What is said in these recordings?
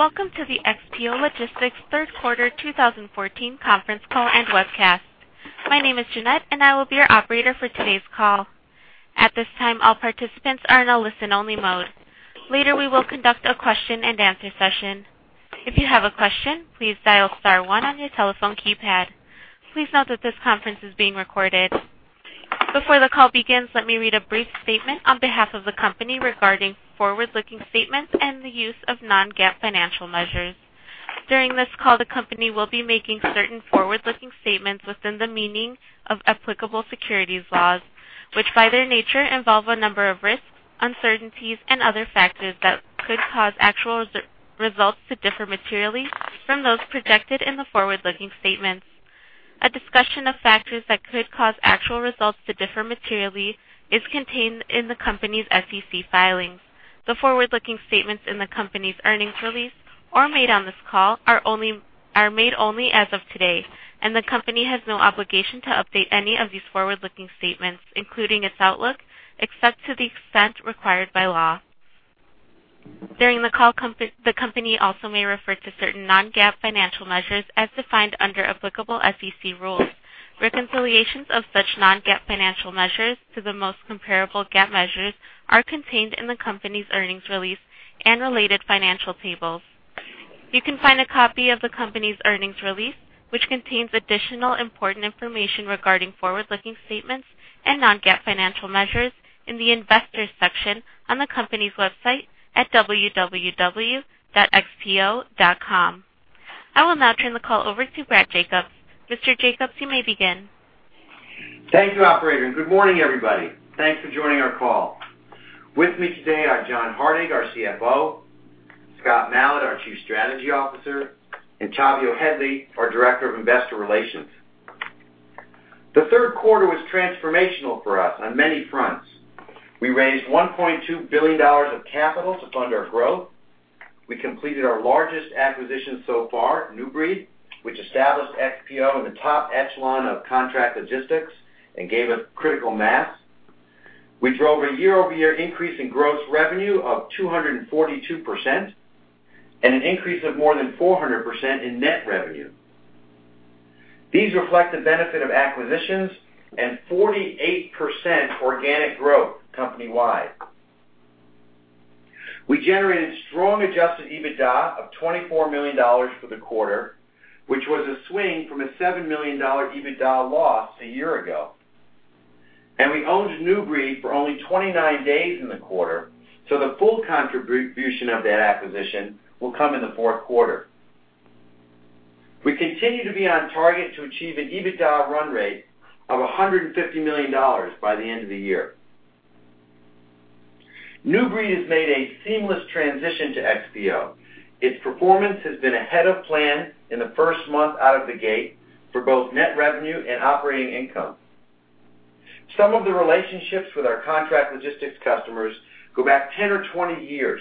Welcome to the XPO Logistics Third Quarter 2014 conference call and webcast. My name is Jeanette, and I will be your operator for today's call. At this time, all participants are in a listen-only mode. Later, we will conduct a question-and-answer session. If you have a question, please dial star one on your telephone keypad. Please note that this conference is being recorded. Before the call begins, let me read a brief statement on behalf of the company regarding forward-looking statements and the use of non-GAAP financial measures. During this call, the company will be making certain forward-looking statements within the meaning of applicable securities laws, which, by their nature, involve a number of risks, uncertainties, and other factors that could cause actual results to differ materially from those projected in the forward-looking statements. A discussion of factors that could cause actual results to differ materially is contained in the company's SEC filings. The forward-looking statements in the company's earnings release or made on this call are made only as of today, and the company has no obligation to update any of these forward-looking statements, including its outlook, except to the extent required by law. During the call, the company also may refer to certain non-GAAP financial measures as defined under applicable SEC rules. Reconciliations of such non-GAAP financial measures to the most comparable GAAP measures are contained in the company's earnings release and related financial tables. You can find a copy of the company's earnings release, which contains additional important information regarding forward-looking statements and non-GAAP financial measures, in the Investors section on the company's website at www.xpo.com. I will now turn the call over to Brad Jacobs. Mr. Jacobs, you may begin. Thank you, operator, and good morning, everybody. Thanks for joining our call. With me today are John Hardig, our CFO; Scott Malat, our Chief Strategy Officer; and Tavio Headley, our Director of Investor Relations. The third quarter was transformational for us on many fronts. We raised $1.2 billion of capital to fund our growth. We completed our largest acquisition so far, New Breed, which established XPO in the top echelon of contract logistics and gave us critical mass. We drove a year-over-year increase in gross revenue of 242%, and an increase of more than 400% in net revenue. These reflect the benefit of acquisitions and 48% organic growth company-wide. We generated strong adjusted EBITDA of $24 million for the quarter, which was a swing from a $7 million EBITDA loss a year ago. We owned New Breed for only 29 days in the quarter, so the full contribution of that acquisition will come in the fourth quarter. We continue to be on target to achieve an EBITDA run rate of $150 million by the end of the year. New Breed has made a seamless transition to XPO. Its performance has been ahead of plan in the first month out of the gate for both net revenue and operating income. Some of the relationships with our contract logistics customers go back 10 or 20 years.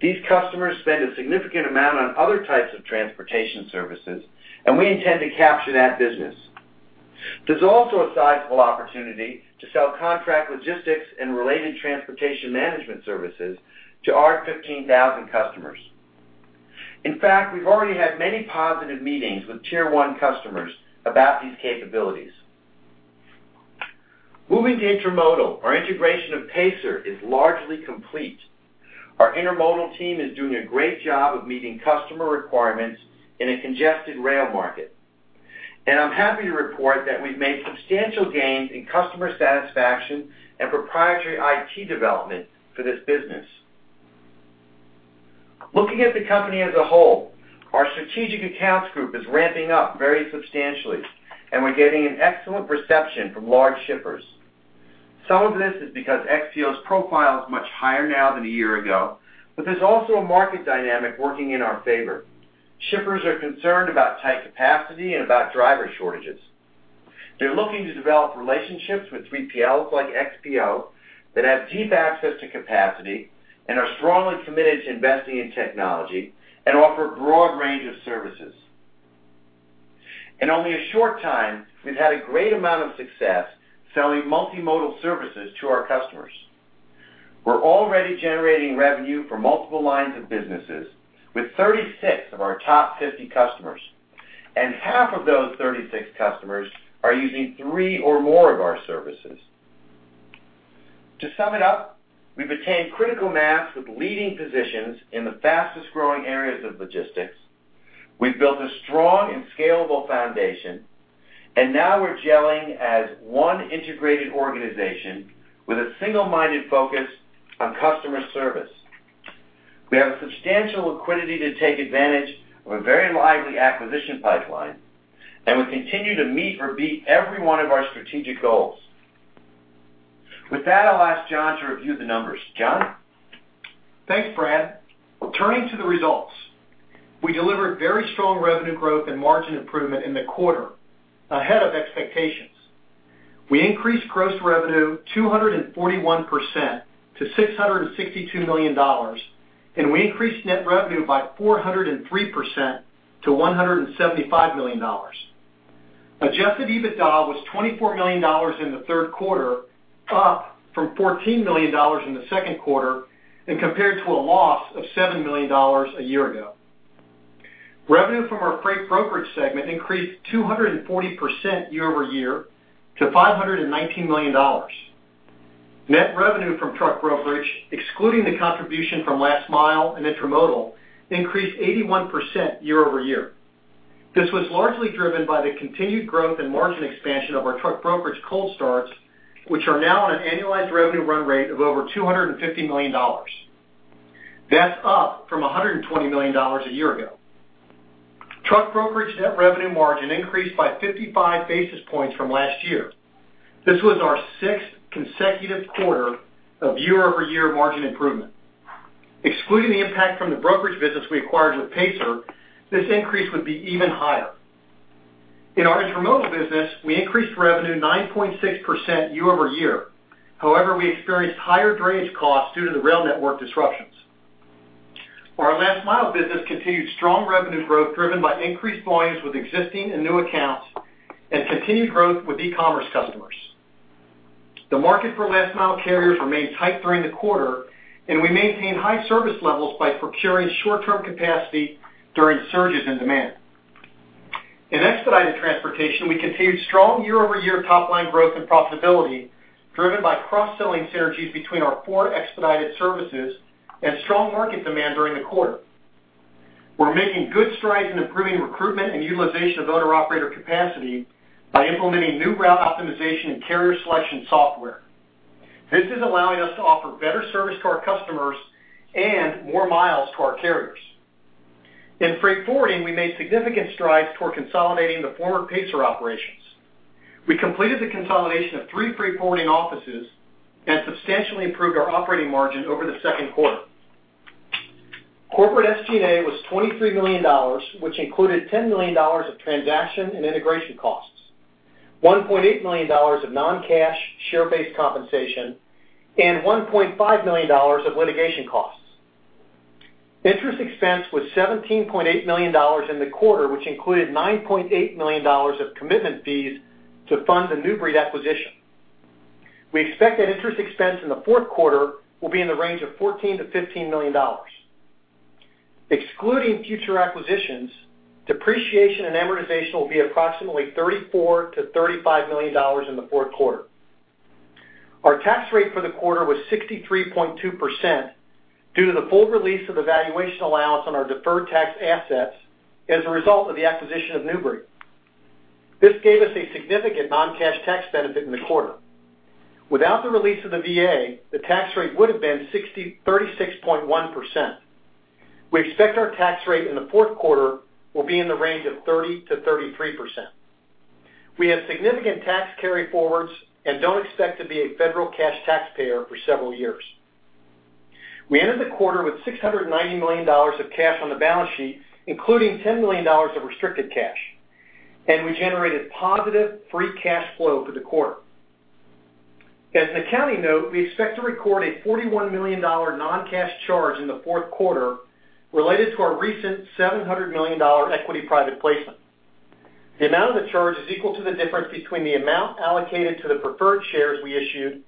These customers spend a significant amount on other types of transportation services, and we intend to capture that business. There's also a sizable opportunity to sell contract logistics and related transportation management services to our 15,000 customers. In fact, we've already had many positive meetings with tier one customers about these capabilities. Moving to intermodal, our integration of Pacer is largely complete. Our intermodal team is doing a great job of meeting customer requirements in a congested rail market, and I'm happy to report that we've made substantial gains in customer satisfaction and proprietary IT development for this business. Looking at the company as a whole, our strategic accounts group is ramping up very substantially, and we're getting an excellent reception from large shippers. Some of this is because XPO's profile is much higher now than a year ago, but there's also a market dynamic working in our favor. Shippers are concerned about tight capacity and about driver shortages. They're looking to develop relationships with 3PLs like XPO that have deep access to capacity and are strongly committed to investing in technology and offer a broad range of services. In only a short time, we've had a great amount of success selling multimodal services to our customers. We're already generating revenue from multiple lines of businesses with 36 of our top 50 customers, and half of those 36 customers are using 3 or more of our services. To sum it up, we've attained critical mass with leading positions in the fastest-growing areas of logistics. We've built a strong and scalable foundation, and now we're gelling as one integrated organization with a single-minded focus on customer service. We have substantial liquidity to take advantage of a very lively acquisition pipeline, and we continue to meet or beat every one of our strategic goals. With that, I'll ask John to review the numbers. John? Thanks, Brad. Turning to the results, we delivered very strong revenue growth and margin improvement in the quarter ahead of expectations. We increased gross revenue 241% to $662 million, and we increased net revenue by 403% to $175 million. Adjusted EBITDA was $24 million in the third quarter, up from $14 million in the second quarter, and compared to a loss of $7 million a year ago. Revenue from our freight brokerage segment increased 240% year-over-year to $519 million. Net revenue from truck brokerage, excluding the contribution from last mile and intermodal, increased 81% year-over-year. This was largely driven by the continued growth and margin expansion of our truck brokerage cold starts, which are now on an annualized revenue run rate of over $250 million. That's up from $120 million a year ago. Truck brokerage net revenue margin increased by 55 basis points from last year. This was our sixth consecutive quarter of year-over-year margin improvement. Excluding the impact from the brokerage business we acquired with Pacer, this increase would be even higher. In our intermodal business, we increased revenue 9.6% year-over-year. However, we experienced higher drayage costs due to the rail network disruptions. Our last mile business continued strong revenue growth, driven by increased volumes with existing and new accounts and continued growth with e-commerce customers. The market for last mile carriers remained tight during the quarter, and we maintained high service levels by procuring short-term capacity during surges in demand. In expedited transportation, we continued strong year-over-year top-line growth and profitability, driven by cross-selling synergies between our four expedited services and strong market demand during the quarter. We're making good strides in improving recruitment and utilization of owner-operator capacity by implementing new route optimization and carrier selection software. This is allowing us to offer better service to our customers and more miles to our carriers. In freight forwarding, we made significant strides toward consolidating the former Pacer operations. We completed the consolidation of three freight forwarding offices and substantially improved our operating margin over the second quarter. Corporate SG&A was $23 million, which included $10 million of transaction and integration costs, $1.8 million of non-cash share-based compensation, and $1.5 million of litigation costs. Interest expense was $17.8 million in the quarter, which included $9.8 million of commitment fees to fund the New Breed acquisition. We expect that interest expense in the fourth quarter will be in the range of $14-$15 million. Excluding future acquisitions, depreciation and amortization will be approximately $34-$35 million in the fourth quarter. Our tax rate for the quarter was 63.2% due to the full release of the valuation allowance on our deferred tax assets as a result of the acquisition of New Breed. This gave us a significant non-cash tax benefit in the quarter. Without the release of the VA, the tax rate would have been 36.1%. We expect our tax rate in the fourth quarter will be in the range of 30%-33%. We have significant tax carryforwards and don't expect to be a federal cash taxpayer for several years. We ended the quarter with $690 million of cash on the balance sheet, including $10 million of restricted cash, and we generated positive free cash flow for the quarter. As an accounting note, we expect to record a $41 million non-cash charge in the fourth quarter related to our recent $700 million equity private placement. The amount of the charge is equal to the difference between the amount allocated to the preferred shares we issued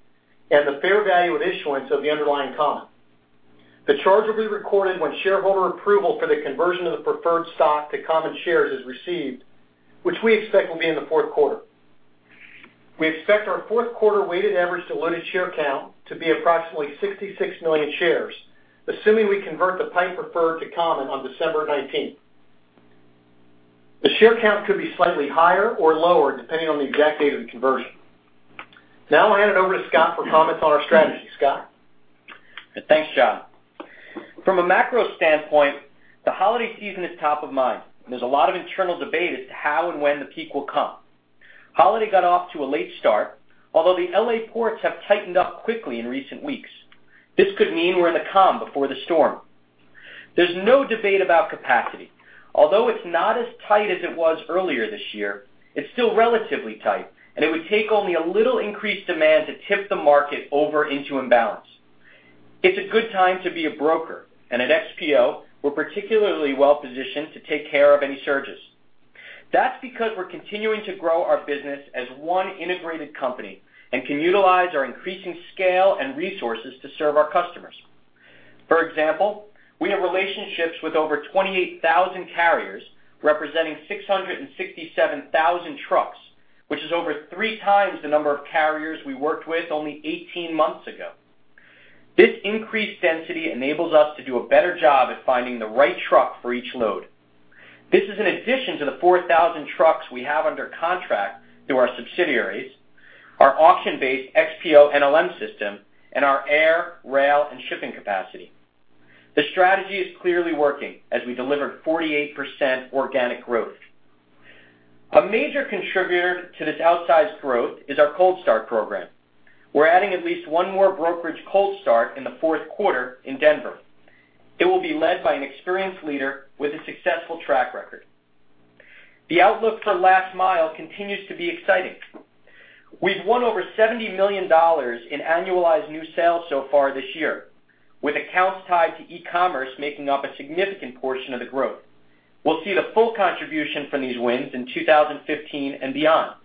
and the fair value of issuance of the underlying common. The charge will be recorded when shareholder approval for the conversion of the preferred stock to common shares is received, which we expect will be in the fourth quarter. We expect our fourth quarter weighted average diluted share count to be approximately 66 million shares, assuming we convert the PIPE preferred to common on December 19th. The share count could be slightly higher or lower, depending on the exact date of the conversion. Now I'll hand it over to Scott for comments on our strategy. Scott? Thanks, John. From a macro standpoint, the holiday season is top of mind, and there's a lot of internal debate as to how and when the peak will come. Holiday got off to a late start, although the L.A. ports have tightened up quickly in recent weeks. This could mean we're in the calm before the storm. There's no debate about capacity. Although it's not as tight as it was earlier this year, it's still relatively tight, and it would take only a little increased demand to tip the market over into imbalance. It's a good time to be a broker, and at XPO, we're particularly well positioned to take care of any surges. That's because we're continuing to grow our business as one integrated company and can utilize our increasing scale and resources to serve our customers. For example, we have relationships with over 28,000 carriers, representing 667,000 trucks, which is over 3 times the number of carriers we worked with only 18 months ago. This increased density enables us to do a better job at finding the right truck for each load. This is in addition to the 4,000 trucks we have under contract through our subsidiaries, our auction-based XPO NLM system, and our air, rail, and shipping capacity. The strategy is clearly working as we delivered 48% organic growth. A major contributor to this outsized growth is our cold start program. We're adding at least one more brokerage cold start in the fourth quarter in Denver. It will be led by an experienced leader with a successful track record. The outlook for last mile continues to be exciting. We've won over $70 million in annualized new sales so far this year, with accounts tied to e-commerce making up a significant portion of the growth. We'll see the full contribution from these wins in 2015 and beyond.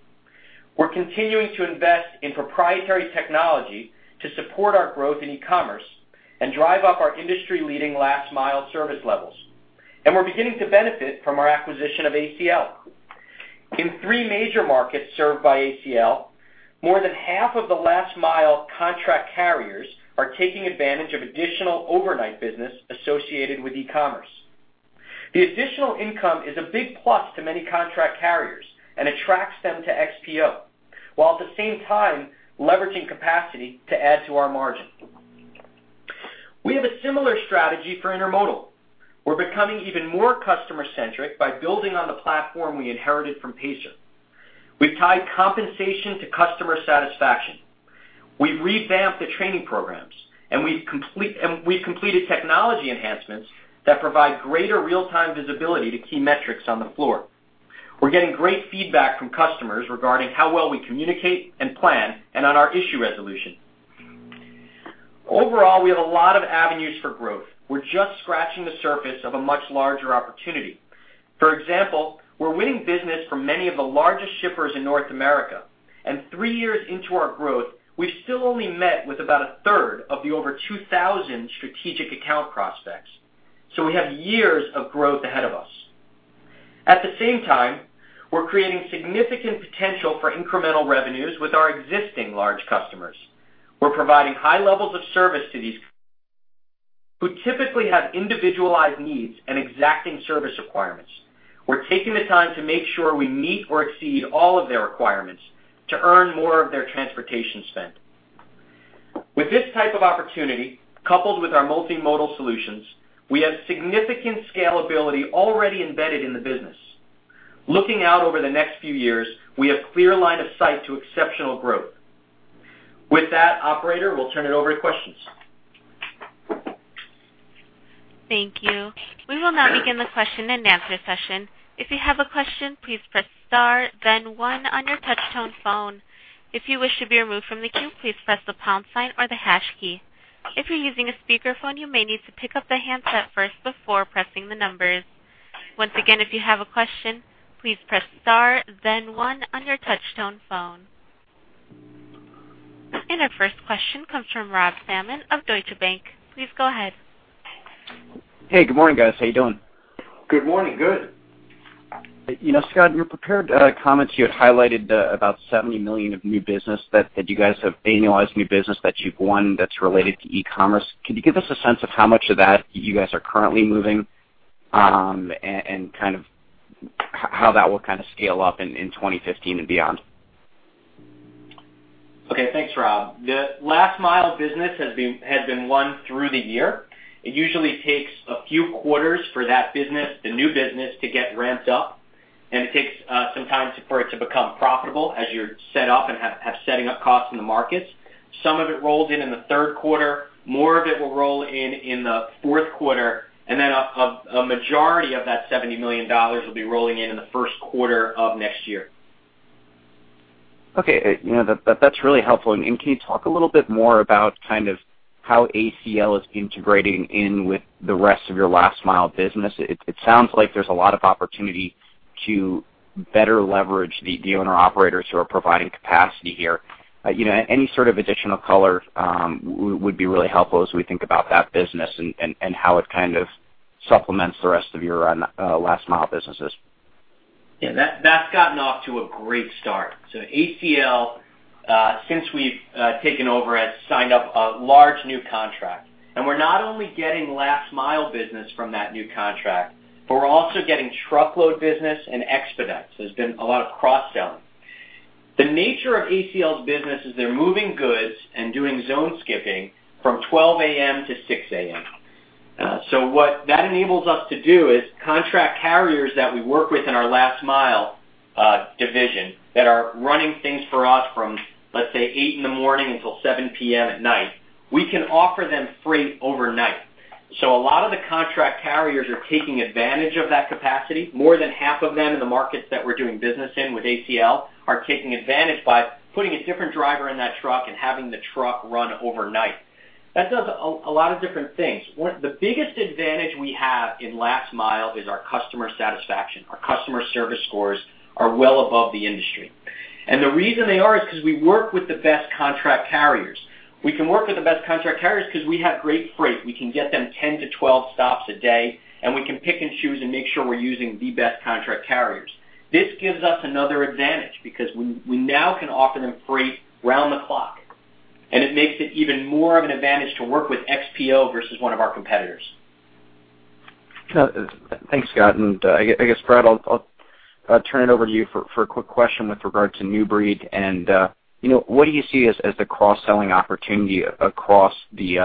We're continuing to invest in proprietary technology to support our growth in e-commerce and drive up our industry-leading last mile service levels, and we're beginning to benefit from our acquisition of ACL. In 3 major markets served by ACL, more than half of the last mile contract carriers are taking advantage of additional overnight business associated with e-commerce. The additional income is a big plus to many contract carriers and attracts them to XPO, while at the same time leveraging capacity to add to our margin. We have a similar strategy for intermodal. We're becoming even more customer-centric by building on the platform we inherited from Pacer. We've tied compensation to customer satisfaction. We've revamped the training programs, and we've completed technology enhancements that provide greater real-time visibility to key metrics on the floor. We're getting great feedback from customers regarding how well we communicate and plan, and on our issue resolution. Overall, we have a lot of avenues for growth. We're just scratching the surface of a much larger opportunity. For example, we're winning business from many of the largest shippers in North America, and three years into our growth, we've still only met with about a third of the over 2,000 strategic account prospects, so we have years of growth ahead of us. At the same time, we're creating significant potential for incremental revenues with our existing large customers. We're providing high levels of service to these, who typically have individualized needs and exacting service requirements. We're taking the time to make sure we meet or exceed all of their requirements to earn more of their transportation spend. With this type of opportunity, coupled with our multimodal solutions, we have significant scalability already embedded in the business. Looking out over the next few years, we have clear line of sight to exceptional growth. With that, operator, we'll turn it over to questions. Thank you. We will now begin the question-and-answer session. If you have a question, please press star, then one on your touchtone phone. If you wish to be removed from the queue, please press the pound sign or the hash key. If you're using a speakerphone, you may need to pick up the handset first before pressing the numbers. Once again, if you have a question, please press star, then one on your touchtone phone. Our first question comes from Rob Salmon of Deutsche Bank. Please go ahead. Hey, good morning, guys. How you doing? Good morning. Good. You know, Scott, in your prepared comments, you had highlighted about $70 million of new business that, that you guys have annualized new business that you've won that's related to e-commerce. Can you give us a sense of how much of that you guys are currently moving, and kind of how that will kind of scale up in 2015 and beyond? Okay, thanks, Rob. The last mile business has been, has been won through the year. It usually takes a few quarters for that business, the new business, to get ramped up, and it takes some time for it to become profitable as you're set up and have, have setting up costs in the markets. Some of it rolled in in the third quarter. More of it will roll in, in the fourth quarter, and then a, a, a majority of that $70 million will be rolling in in the first quarter of next year. Okay, you know, that, that's really helpful. Can you talk a little bit more about kind of how ACL is integrating in with the rest of your last mile business? It sounds like there's a lot of opportunity to better leverage the owner-operators who are providing capacity here. You know, any sort of additional color would be really helpful as we think about that business and how it kind of supplements the rest of your last mile businesses. Yeah, that, that's gotten off to a great start. So ACL, since we've taken over, has signed up a large new contract, and we're not only getting last mile business from that new contract, but we're also getting truckload business and expedites. There's been a lot of cross-selling. The nature of ACL's business is they're moving goods and doing zone skipping from 12:00 A.M. to 6:00 A.M. So what that enables us to do is contract carriers that we work with in our last mile division, that are running things for us from, let's say, 8:00 A.M. until 7:00 P.M. at night, we can offer them freight overnight. So a lot of the contract carriers are taking advantage of that capacity. More than half of them in the markets that we're doing business in with ACL are taking advantage by putting a different driver in that truck and having the truck run overnight. That does a lot of different things. One, the biggest advantage we have in last mile is our customer satisfaction. Our customer service scores are well above the industry, and the reason they are is because we work with the best contract carriers. We can work with the best contract carriers because we have great freight. We can get them 10-12 stops a day, and we can pick and choose and make sure we're using the best contract carriers. This gives us another advantage because we now can offer them freight round the clock, and it makes it even more of an advantage to work with XPO versus one of our competitors. Thanks, Scott, and, I guess, Brad, I'll turn it over to you for a quick question with regard to New Breed and, you know, what do you see as the cross-selling opportunity across the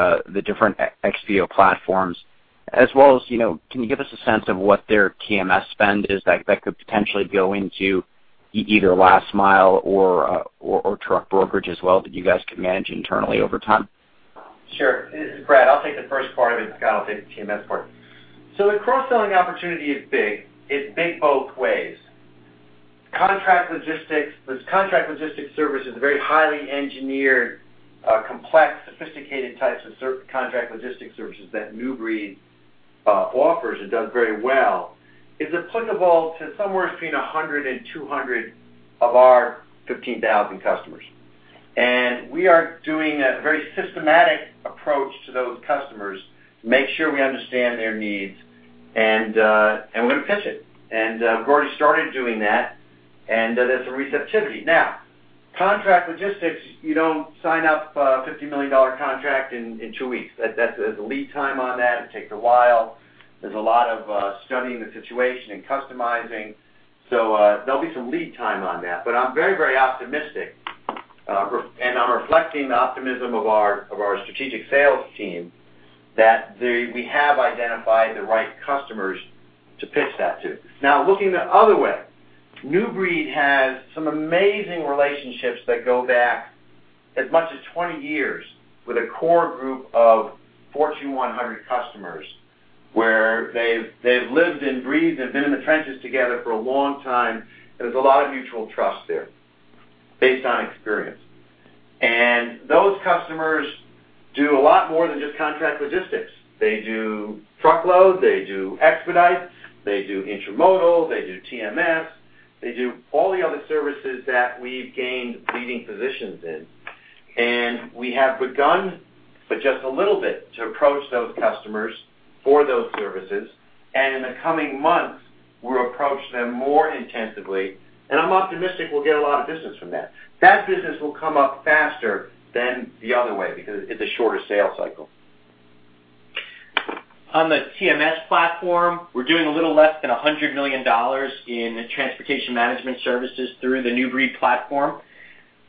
different XPO platforms, as well as, you know, can you give us a sense of what their TMS spend is that could potentially go into either last mile or truck brokerage as well, that you guys could manage internally over time? Sure. This is Brad. I'll take the first part of it Scott will take the TMS part. So the cross-selling opportunity is big. It's big both ways. Contract logistics, those contract logistics services are very highly engineered, complex, sophisticated types of contract logistics services that New Breed offers and does very well, is applicable to somewhere between 100 and 200 of our 15,000 customers. And we are doing a very systematic approach to those customers to make sure we understand their needs, and we're going to pitch it. And, we've already started doing that, and there's a receptivity. Now, contract logistics, you don't sign up a $50 million contract in two weeks. That's, there's a lead time on that. It takes a while. There's a lot of studying the situation and customizing. So, there'll be some lead time on that, but I'm very, very optimistic. And I'm reflecting the optimism of our strategic sales team, that we have identified the right customers to pitch that to. Now, looking the other way, New Breed has some amazing relationships that go back as much as 20 years with a core group of Fortune 100 customers, where they've lived and breathed and been in the trenches together for a long time. There's a lot of mutual trust there, based on experience. Those customers do a lot more than just contract logistics. They do truckload, they do expedite, they do intermodal, they do TMS. They do all the other services that we've gained leading positions in. We have begun, but just a little bit, to approach those customers for those services, and in the coming months, we'll approach them more intensively, and I'm optimistic we'll get a lot of business from that. That business will come up faster than the other way because it's a shorter sales cycle. On the TMS platform, we're doing a little less than $100 million in transportation management services through the New Breed platform.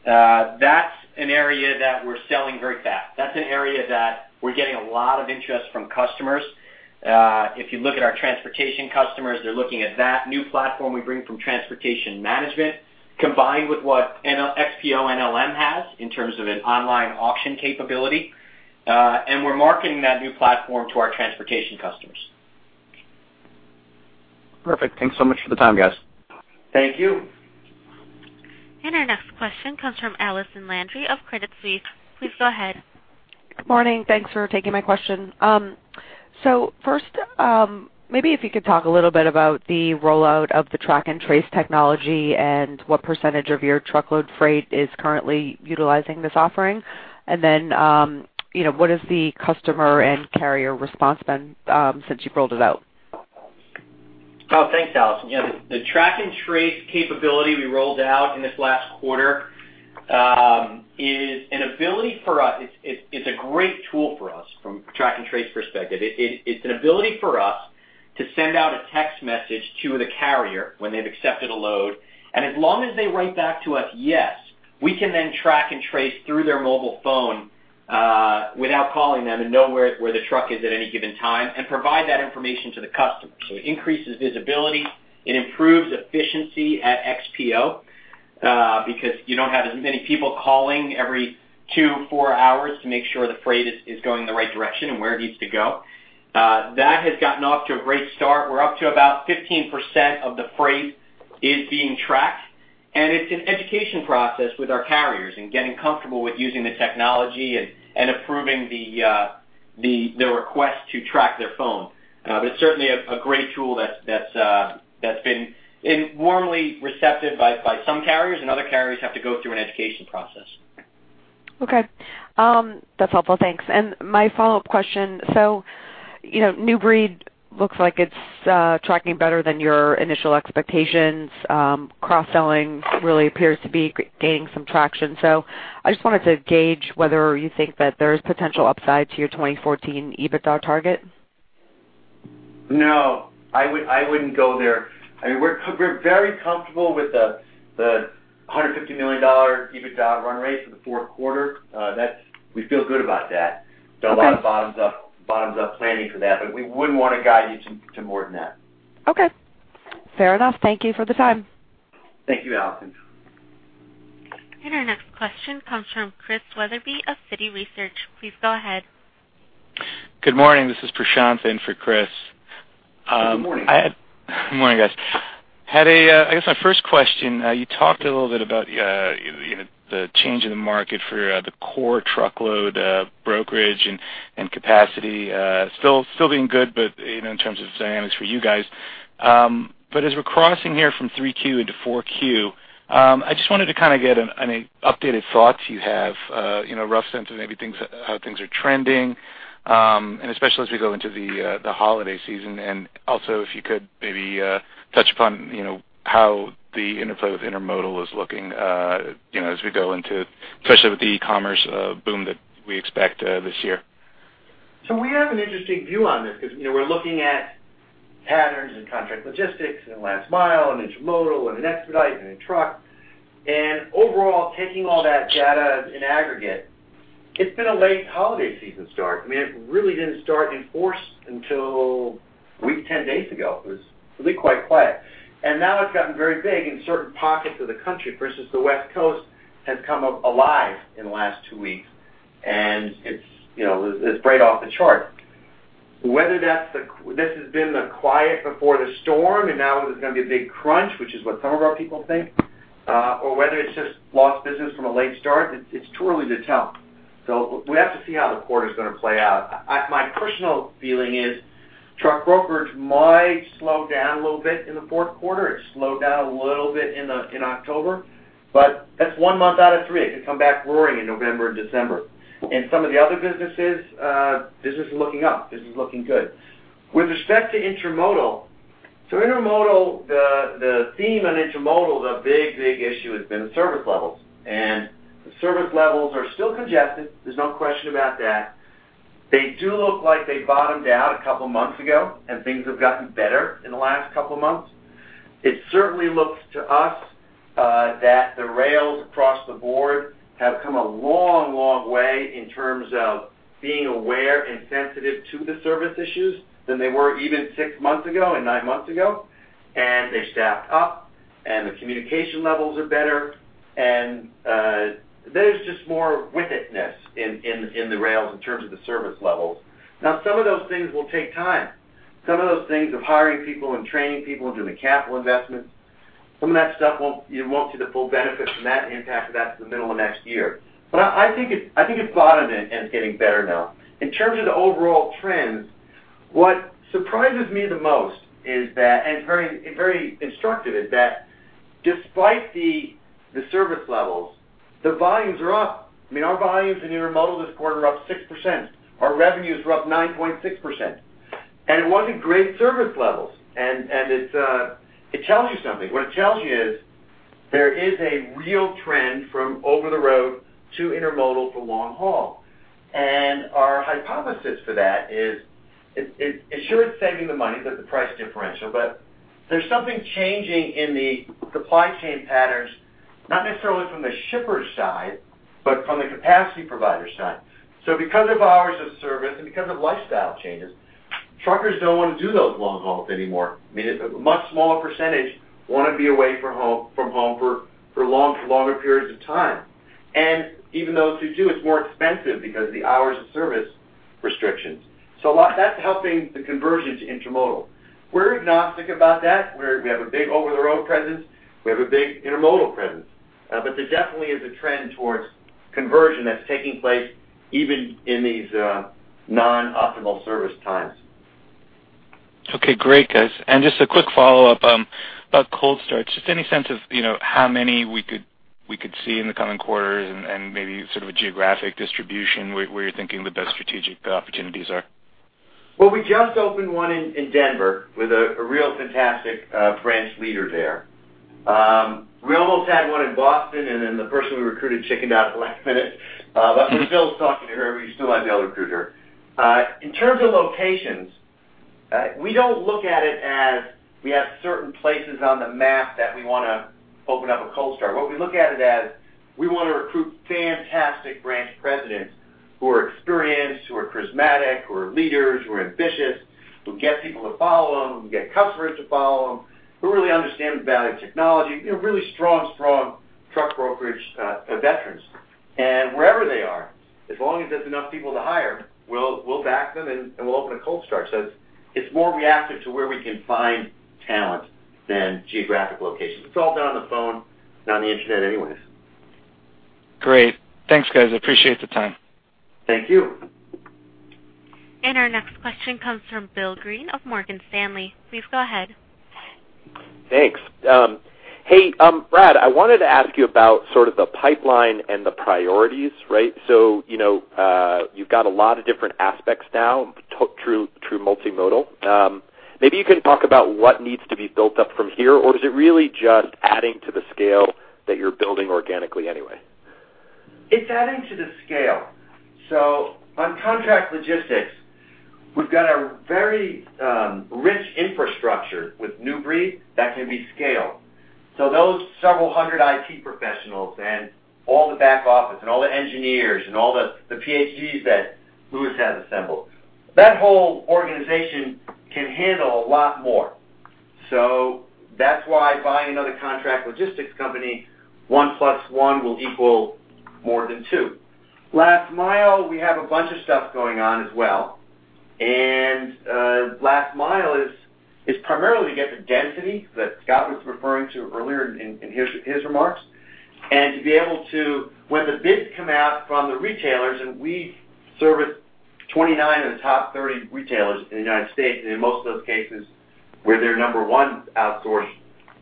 That's an area that we're selling very fast. That's an area that we're getting a lot of interest from customers. If you look at our transportation customers, they're looking at that new platform we bring from transportation management, combined with what XPO NLM has in terms of an online auction capability. And we're marketing that new platform to our transportation customers. Perfect. Thanks so much for the time, guys. Thank you. Our next question comes from Allison Landry of Credit Suisse. Please go ahead. Good morning. Thanks for taking my question. So first, maybe if you could talk a little bit about the rollout of the track and trace technology and what percentage of your truckload freight is currently utilizing this offering. And then, you know, what has the customer and carrier response been, since you've rolled it out? Oh, thanks, Allison. Yeah, the track and trace capability we rolled out in this last quarter is an ability for us. It's a great tool for us from track and trace perspective. It's an ability for us to send out a text message to the carrier when they've accepted a load. And as long as they write back to us, "Yes," we can then track and trace through their mobile phone without calling them and know where the truck is at any given time and provide that information to the customer. So it increases visibility, it improves efficiency at XPO because you don't have as many people calling every two, four hours to make sure the freight is going in the right direction and where it needs to go. That has gotten off to a great start. We're up to about 15% of the freight is being tracked, and it's an education process with our carriers in getting comfortable with using the technology and approving the request to track their phone. But it's certainly a great tool that's been warmly receptive by some carriers, and other carriers have to go through an education process. Okay. That's helpful. Thanks. And my follow-up question: so, you know, New Breed looks like it's tracking better than your initial expectations. Cross-selling really appears to be gaining some traction. So I just wanted to gauge whether you think that there is potential upside to your 2014 EBITDA target? No, I would- I wouldn't go there. I mean, we're co- we're very comfortable with the, the $150 million EBITDA run rate for the fourth quarter. That's-- we feel good about that. Okay. Done a lot of bottoms-up, bottoms-up planning for that, but we wouldn't want to guide you to, to more than that. Okay. Fair enough. Thank you for the time. Thank you, Allison. Our next question comes from Chris Wetherbee of Citi Research. Please go ahead. Good morning. This is Prashanth in for Chris. Good morning. Good morning, guys. I guess my first question, you talked a little bit about, you know, the change in the market for the core truckload brokerage and capacity still being good, but, you know, in terms of dynamics for you guys. But as we're crossing here from 3Q into 4Q, I just wanted to kind of get an updated thoughts you have, you know, rough sense of maybe things, how things are trending, and especially as we go into the holiday season. And also, if you could maybe touch upon, you know, how the interplay with intermodal is looking, you know, as we go into, especially with the e-commerce boom that we expect this year. So we have an interesting view on this because, you know, we're looking at patterns in contract logistics and last mile and intermodal and in expedite and in truck. And overall, taking all that data in aggregate, it's been a late holiday season start. I mean, it really didn't start in force until a week, 10 days ago, it was really quite quiet. And now it's gotten very big in certain pockets of the country, versus the West Coast has come up alive in the last two weeks, and it's, you know, it's right off the chart. Whether that's this has been the quiet before the storm, and now there's going to be a big crunch, which is what some of our people think, or whether it's just lost business from a late start, it's too early to tell. So we have to see how the quarter is going to play out. I, my personal feeling is truck brokerage might slow down a little bit in the fourth quarter. It slowed down a little bit in October, but that's one month out of three. It could come back roaring in November and December. And some of the other businesses, business is looking up, business is looking good. With respect to intermodal, so intermodal, the theme on intermodal, the big, big issue has been service levels, and the service levels are still congested. There's no question about that. They do look like they bottomed out a couple of months ago, and things have gotten better in the last couple of months. It certainly looks to us that the rails across the board have come a long, long way in terms of being aware and sensitive to the service issues than they were even six months ago and nine months ago. And they staffed up and the communication levels are better, and there's just more witness in the rails in terms of the service levels. Now, some of those things will take time. Some of those things of hiring people and training people and doing the capital investments, some of that stuff, won't, you won't see the full benefit from that impact to the middle of next year. But I think it's bottomed and it's getting better now. In terms of the overall trends, what surprises me the most is that, and it's very, very instructive, is that despite the service levels, the volumes are up. I mean, our volumes in intermodal this quarter are up 6%. Our revenues were up 9.6%, and it wasn't great service levels. And it's, it tells you something. What it tells you is there is a real trend from over-the-road to intermodal for long haul. And our hypothesis for that is it sure is saving the money, that the price differential, but there's something changing in the supply chain patterns, not necessarily from the shipper side, but from the capacity provider side. So because of hours of service and because of lifestyle changes, truckers don't want to do those long hauls anymore. I mean, a much smaller percentage want to be away from home for longer periods of time. Even those who do, it's more expensive because the hours of service restrictions, so a lot... That's helping the conversion to intermodal. We're agnostic about that, where we have a big over-the-road presence, we have a big intermodal presence, but there definitely is a trend towards conversion that's taking place even in these non-optimal service times. Okay, great, guys. And just a quick follow-up about cold starts. Just any sense of, you know, how many we could see in the coming quarters and maybe sort of a geographic distribution, where you're thinking the best strategic opportunities are? Well, we just opened one in Denver with a real fantastic branch leader there. We almost had one in Boston, and then the person we recruited chickened out at the last minute, but we're still talking to her. We still want to recruit her. In terms of locations, we don't look at it as we have certain places on the map that we want to open up a cold start. What we look at it as, we want to recruit fantastic branch presidents who are experienced, who are charismatic, who are leaders, who are ambitious, who get people to follow them, who get customers to follow them, who really understand the value of technology, you know, really strong, strong truck brokerage veterans. Wherever they are, as long as there's enough people to hire, we'll back them, and we'll open a cold start. So it's more reactive to where we can find talent than geographic locations. It's all done on the phone, on the internet anyways. Great. Thanks, guys. I appreciate the time. Thank you. Our next question comes from Bill Green of Morgan Stanley. Please go ahead. Thanks. Hey, Brad, I wanted to ask you about sort of the pipeline and the priorities, right? So, you know, you've got a lot of different aspects now, through multimodal. Maybe you can talk about what needs to be built up from here, or is it really just adding to the scale that you're building organically anyway? It's adding to the scale. So on contract logistics, we've got a very rich infrastructure with New Breed that can be scaled. So those several hundred IT professionals and all the back office and all the engineers and all the PhDs that Louis has assembled, that whole organization can handle a lot more. So that's why buying another contract logistics company, one plus one will equal more than two. Last mile, we have a bunch of stuff going on as well. And last mile is primarily to get the density that Scott was referring to earlier in his remarks, and to be able to... When the bids come out from the retailers, and we service 29 of the top 30 retailers in the United States, and in most of those cases, we're their number one outsourced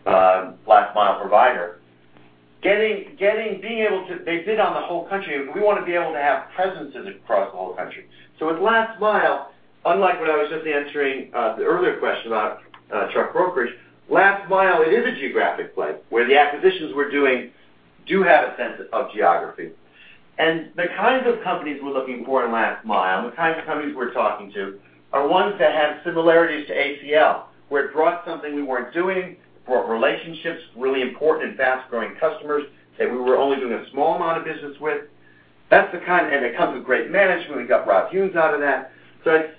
last mile provider. They bid on the whole country, but we want to be able to have presence across the whole country. So with last mile, unlike what I was just answering, the earlier question about, truck brokerage, last mile, it is a geographic play where the acquisitions we're doing do have a sense of geography. And the kinds of companies we're looking for in last mile, and the kinds of companies we're talking to, are ones that have similarities to ACL, where it brought something we weren't doing, brought relationships, really important and fast-growing customers that we were only doing a small amount of business with.... That's the kind, and it comes with great management. We got Rob Humes out of that. So it's,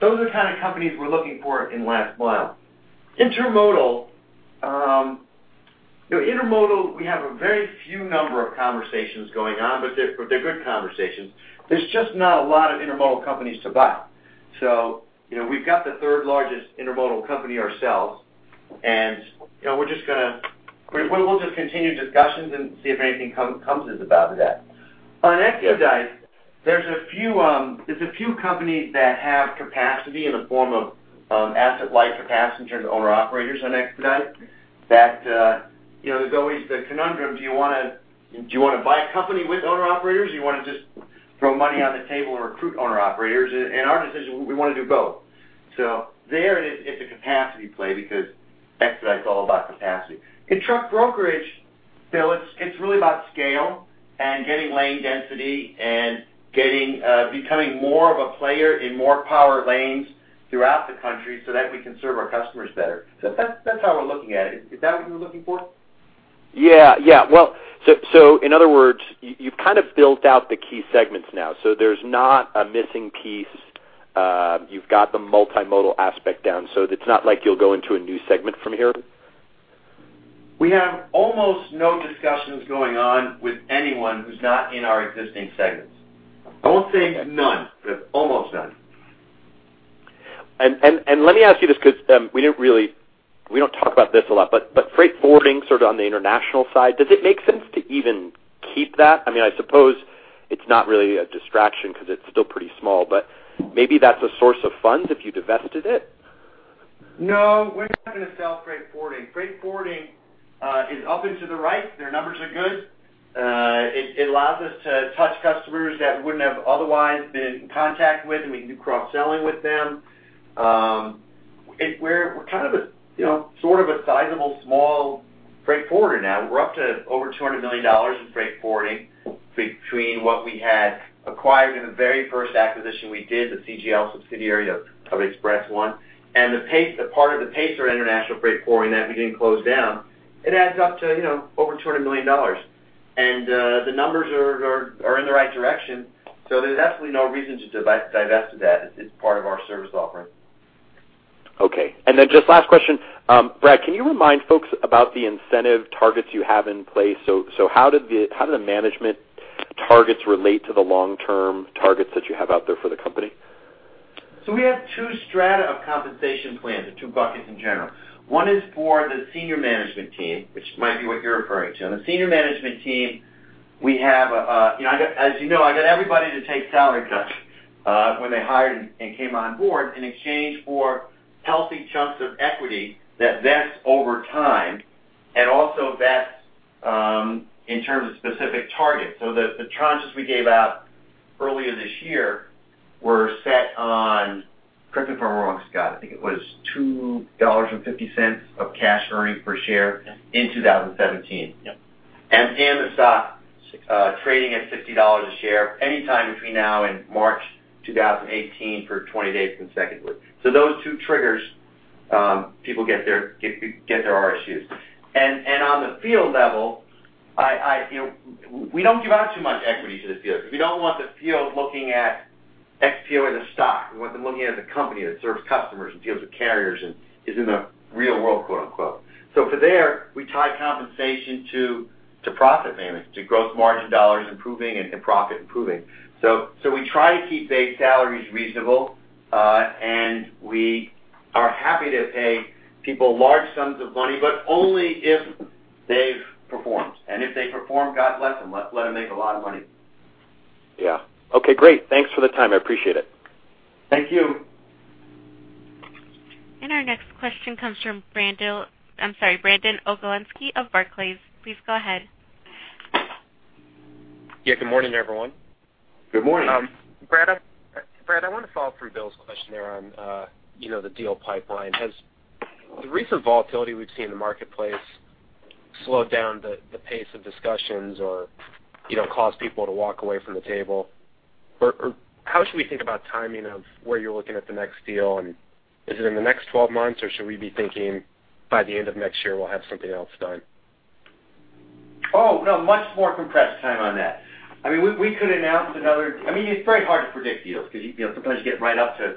those are the kind of companies we're looking for in last mile. Intermodal, we have a very few number of conversations going on, but they're good conversations. There's just not a lot of intermodal companies to buy. So, you know, we've got the third largest intermodal company ourselves, and, you know, we're just gonna, we'll just continue discussions and see if anything comes about that. On Expedite, there's a few companies that have capacity in the form of asset-light capacity in terms of owner-operators on Expedite, that, you know, there's always the conundrum. Do you wanna buy a company with owner-operators, or you wanna just throw money on the table and recruit owner-operators? And our decision, we wanna do both. So there it is, it's a capacity play because Expedite is all about capacity. In truck brokerage, Bill, it's, it's really about scale and getting lane density and getting, becoming more of a player in more power lanes throughout the country so that we can serve our customers better. So that's, that's how we're looking at it. Is that what you're looking for? Yeah. Well, so in other words, you've kind of built out the key segments now. So there's not a missing piece. You've got the multimodal aspect down, so it's not like you'll go into a new segment from here? We have almost no discussions going on with anyone who's not in our existing segments. I won't say none, but almost none. Let me ask you this, because we didn't really, we don't talk about this a lot, but freight forwarding, sort of on the international side, does it make sense to even keep that? I mean, I suppose it's not really a distraction 'cause it's still pretty small, but maybe that's a source of funds if you divested it. No, we're not gonna sell freight forwarding. Freight forwarding is up and to the right. Their numbers are good. It allows us to touch customers that we wouldn't have otherwise been in contact with, and we can do cross-selling with them. It, we're kind of a, you know, sort of a sizable small freight forwarder now. We're up to over $200 million in freight forwarding between what we had acquired in the very first acquisition we did, the CGL subsidiary of Express-1, and the Pace, the part of the Pacer International Freight Forwarding that we didn't close down. It adds up to, you know, over $200 million. The numbers are in the right direction, so there's absolutely no reason to divest that. It's part of our service offering. Okay. And then just last question, Brad, can you remind folks about the incentive targets you have in place? So, how do the management targets relate to the long-term targets that you have out there for the company? So we have two strata of compensation plans, or two buckets in general. One is for the senior management team, which might be what you're referring to. The senior management team, we have, you know, as you know, I got everybody to take salary cuts, when they hired and came on board, in exchange for healthy chunks of equity that vests over time and also vests, in terms of specific targets. So the tranches we gave out earlier this year were set on, correct me if I'm wrong, Scott, I think it was $2.50 of cash earnings per share- Yep. in 2017. Yep. And the stock trading at $60 a share anytime between now and March 2018 for 20 days consecutively. So those two triggers, people get their RSUs. And on the field level, I you know, we don't give out too much equity to the field, because we don't want the field looking at XPO as a stock. We want them looking at as a company that serves customers and deals with carriers and is in the "real world," quote, unquote. So for there, we tie compensation to profit management, to growth margin dollars improving and profit improving. So we try to keep base salaries reasonable, and we are happy to pay people large sums of money, but only if they've performed. And if they perform, God bless them. Let's let them make a lot of money. Yeah. Okay, great. Thanks for the time. I appreciate it. Thank you. Our next question comes from Brandon, I'm sorry, Brandon Oglenski of Barclays. Please go ahead. Yeah, good morning, everyone. Good morning. Brad, I wanna follow up through Bill's question there on, you know, the deal pipeline. Has the recent volatility we've seen in the marketplace slowed down the pace of discussions or, you know, caused people to walk away from the table? Or how should we think about timing of where you're looking at the next deal, and is it in the next 12 months, or should we be thinking by the end of next year, we'll have something else done? Oh, no, much more compressed time on that. I mean, we could announce another, I mean, it's very hard to predict deals because, you know, sometimes you get right up to,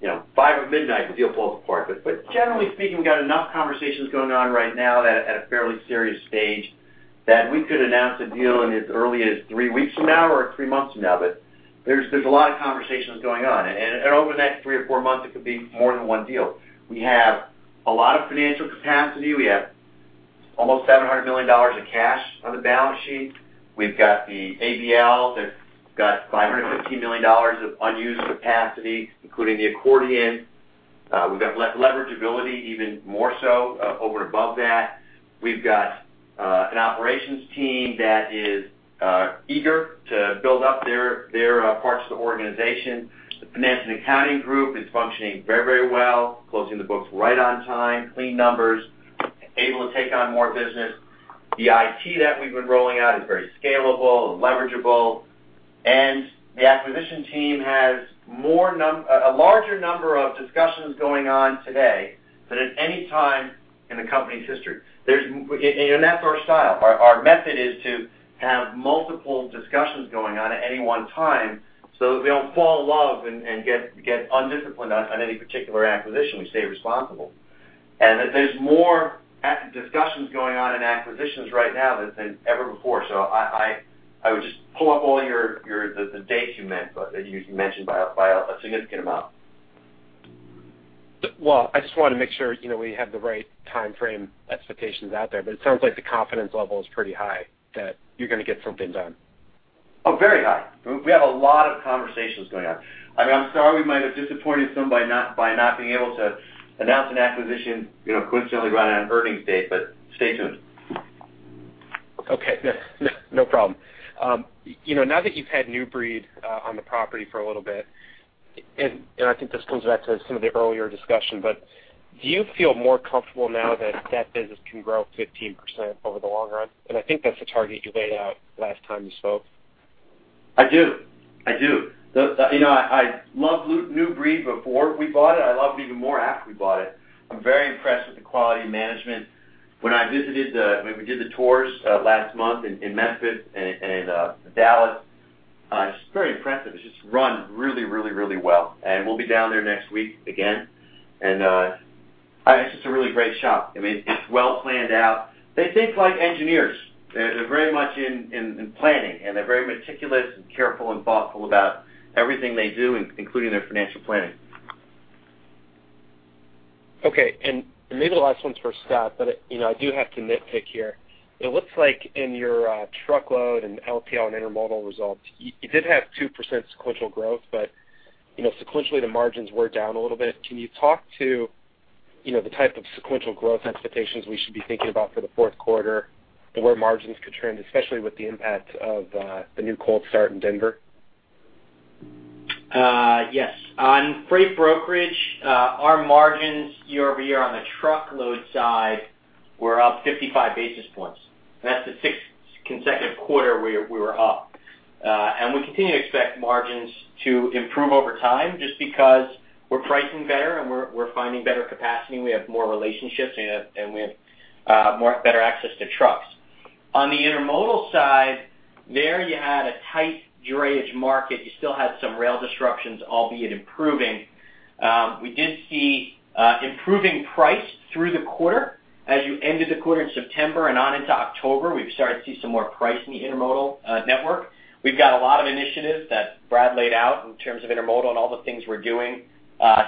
you know, 5 or midnight, the deal falls apart. But generally speaking, we've got enough conversations going on right now at a fairly serious stage, that we could announce a deal in as early as three weeks from now or three months from now. But there's a lot of conversations going on. And over the next three or four months, it could be more than one deal. We have a lot of financial capacity. We have almost $700 million of cash on the balance sheet. We've got the ABL that's got $550 million of unused capacity, including the accordion. We've got leverageability even more so over and above that. We've got an operations team that is eager to build up their parts of the organization. The finance and accounting group is functioning very, very well, closing the books right on time, clean numbers, able to take on more business. The IT that we've been rolling out is very scalable and leverageable, and the acquisition team has a larger number of discussions going on today than at any time in the company's history. And that's our style. Our method is to have multiple discussions going on at any one time, so that we don't fall in love and get undisciplined on any particular acquisition. We stay responsible. And there's more active discussions going on in acquisitions right now than ever before. So I would just pull up all the dates you meant, but you mentioned by a significant amount. Well, I just wanted to make sure, you know, we had the right time frame expectations out there, but it sounds like the confidence level is pretty high, that you're gonna get something done. Oh, very high. We have a lot of conversations going on. I mean, I'm sorry, we might have disappointed some by not, by not being able to announce an acquisition, you know, coincidentally, right on earnings date, but stay tuned. Okay, no problem. You know, now that you've had New Breed on the property for a little bit, and I think this comes back to some of the earlier discussion, but do you feel more comfortable now that that business can grow 15% over the long run? And I think that's the target you laid out last time you spoke. I do. I do. You know, I loved New Breed before we bought it. I loved it even more after we bought it. I'm very impressed with the quality of management. When we did the tours last month in Memphis and Dallas, it's very impressive. It's just run really, really, really well, and we'll be down there next week again. And, it's just a really great shop. I mean, it's well planned out. They think like engineers, they're very much in planning, and they're very meticulous and careful and thoughtful about everything they do, including their financial planning. Okay, and maybe the last one's for Scott, but, you know, I do have to nitpick here. It looks like in your truckload and LTL and intermodal results, you, you did have 2% sequential growth, but, you know, sequentially, the margins were down a little bit. Can you talk to, you know, the type of sequential growth expectations we should be thinking about for the fourth quarter and where margins could trend, especially with the impact of the new cold start in Denver? Yes. On freight brokerage, our margins year-over-year on the truckload side were up 55 basis points. That's the sixth consecutive quarter we were up. And we continue to expect margins to improve over time, just because we're pricing better and we're finding better capacity. We have more relationships, and we have more, better access to trucks. On the intermodal side, there you had a tight drayage market. You still had some rail disruptions, albeit improving. We did see improving price through the quarter. As you ended the quarter in September and on into October, we've started to see some more price in the intermodal network. We've got a lot of initiatives that Brad laid out in terms of intermodal and all the things we're doing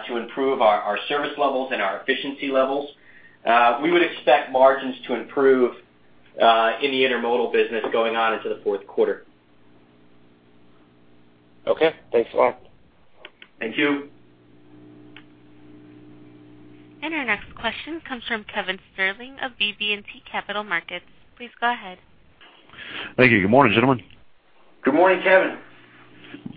to improve our service levels and our efficiency levels. We would expect margins to improve in the intermodal business going on into the fourth quarter. Okay, thanks a lot. Thank you. Our next question comes from Kevin Sterling of BB&T Capital Markets. Please go ahead. Thank you. Good morning, gentlemen. Good morning, Kevin.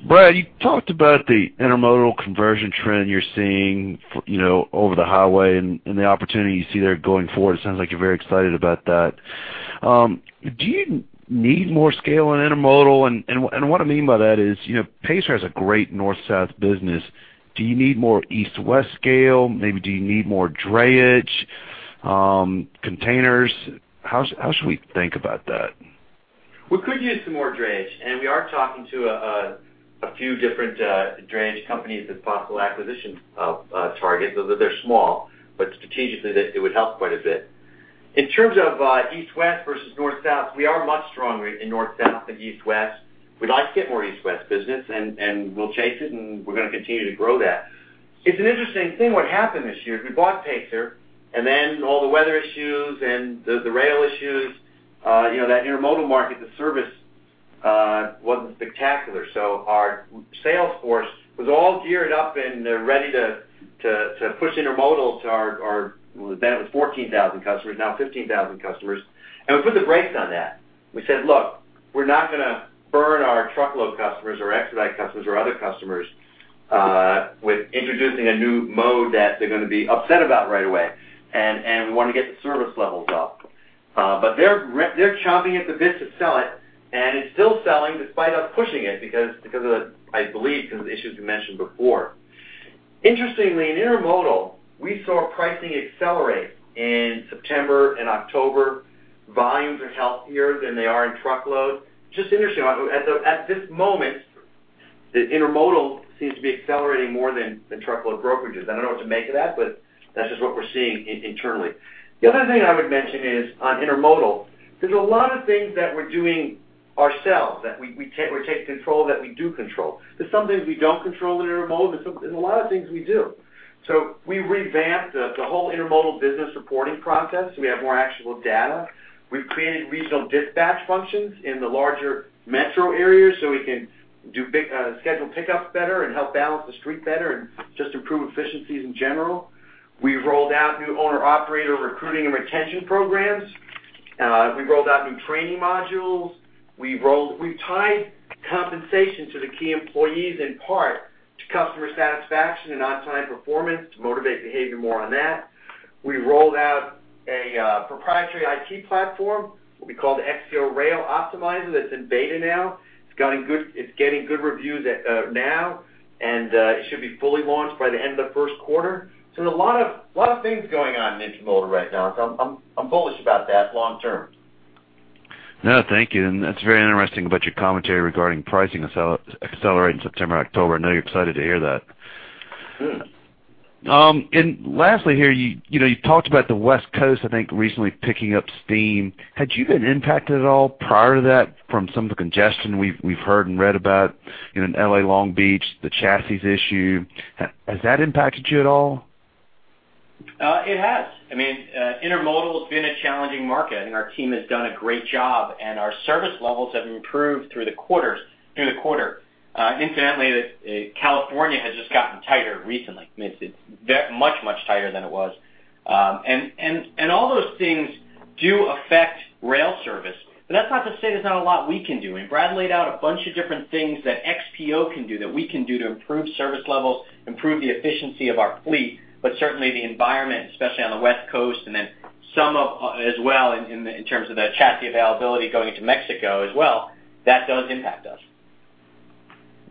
Brad, you talked about the intermodal conversion trend you're seeing, you know, over the highway and the opportunity you see there going forward. It sounds like you're very excited about that. Do you need more scale in intermodal? And what I mean by that is, you know, Pacer has a great north-south business. Do you need more east-west scale? Maybe, do you need more drayage, containers? How should we think about that? We could use some more drayage, and we are talking to a few different drayage companies as possible acquisition targets, although they're small, but strategically, they, it would help quite a bit. In terms of east-west versus north-south, we are much stronger in north-south than east-west. We'd like to get more east-west business, and we'll chase it, and we're going to continue to grow that. It's an interesting thing what happened this year, we bought Pacer, and then all the weather issues and the rail issues, you know, that intermodal market, the service wasn't spectacular. So our sales force was all geared up, and they're ready to push intermodal to our then 14,000 customers, now 15,000 customers, and we put the brakes on that. We said, "Look, we're not gonna burn our truckload customers or expedite customers or other customers with introducing a new mode that they're gonna be upset about right away, and we want to get the service levels up." But they're chomping at the bit to sell it, and it's still selling despite us pushing it because of the issues we mentioned before. Interestingly, in intermodal, we saw pricing accelerate in September and October. Volumes are healthier than they are in truckload. Just interesting, at this moment, the intermodal seems to be accelerating more than truckload brokerages. I don't know what to make of that, but that's just what we're seeing internally. The other thing I would mention is, on intermodal, there's a lot of things that we're doing ourselves, that we take, we're taking control, that we do control. There's some things we don't control in intermodal, there's a lot of things we do. So we revamped the whole intermodal business reporting process, so we have more actual data. We've created regional dispatch functions in the larger metro areas, so we can do big schedule pickups better and help balance the street better and just improve efficiencies in general. We've rolled out new owner-operator recruiting and retention programs. We've rolled out new training modules. We've rolled, we've tied compensation to the key employees, in part, to customer satisfaction and on-time performance to motivate behavior more on that. We rolled out a proprietary IT platform, what we call the XPO Rail Optimizer. That's in beta now. It's gotten good, it's getting good reviews now, and it should be fully launched by the end of the first quarter. So there's a lot of things going on in intermodal right now, so I'm bullish about that long term. No, thank you. That's very interesting about your commentary regarding pricing accelerating September, October. I know you're excited to hear that. Good. And lastly here, you know, you talked about the West Coast, I think, recently picking up steam. Had you been impacted at all prior to that from some of the congestion we've heard and read about in L.A., Long Beach, the chassis issue? Has that impacted you at all? It has. I mean, intermodal has been a challenging market, and our team has done a great job, and our service levels have improved through the quarters, through the quarter. Incidentally, California has just gotten tighter recently. I mean, it's much, much tighter than it was. And all those things do affect rail service, but that's not to say there's not a lot we can do. And Brad laid out a bunch of different things that XPO can do, that we can do to improve service levels, improve the efficiency of our fleet, but certainly the environment, especially on the West Coast, and then some as well in terms of the chassis availability going into Mexico as well, that does impact us.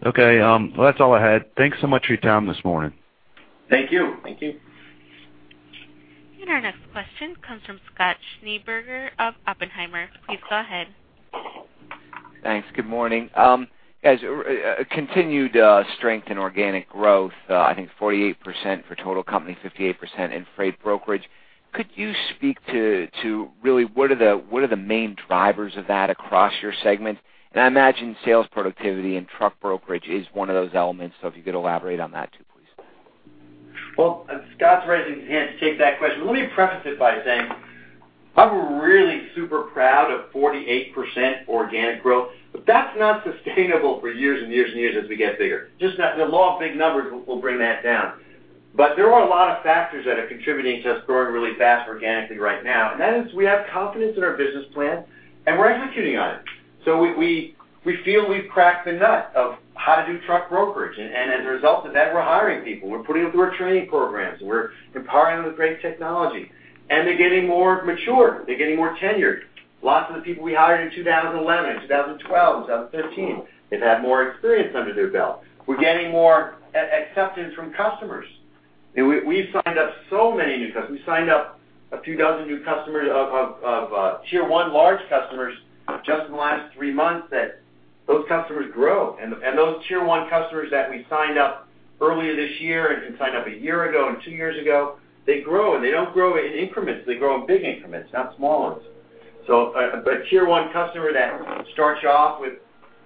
Okay, well, that's all I had. Thanks so much for your time this morning. Thank you. Thank you. Our next question comes from Scott Schneeberger of Oppenheimer. Please go ahead. Thanks. Good morning. As continued strength in organic growth, I think 48% for total company, 58% in freight brokerage, could you speak to really what are the main drivers of that across your segments? I imagine sales productivity and truck brokerage is one of those elements. If you could elaborate on that, too, please. Well, Scott's raising his hand to take that question. Let me preface it by saying, I'm really super proud of 48% organic growth, but that's not sustainable for years and years and years as we get bigger. Just that the law of big numbers will bring that down. But there are a lot of factors that are contributing to us growing really fast organically right now, and that is we have confidence in our business plan, and we're executing on it. So we feel we've cracked the nut of how to do truck brokerage, and as a result of that, we're hiring people. We're putting them through our training programs. We're empowering them with great technology, and they're getting more mature. They're getting more tenured. Lots of the people we hired in 2011, in 2012, in 2015, they've had more experience under their belt. We're getting more acceptance from customers. I mean, we, we've signed up so many new customers. We signed up a few dozen new customers of tier one large customers just in the last 3 months, that those customers grow. And those tier one customers that we signed up earlier this year and signed up a year ago and 2 years ago, they grow, and they don't grow in increments. They grow in big increments, not small ones. So, but a tier one customer that starts you off with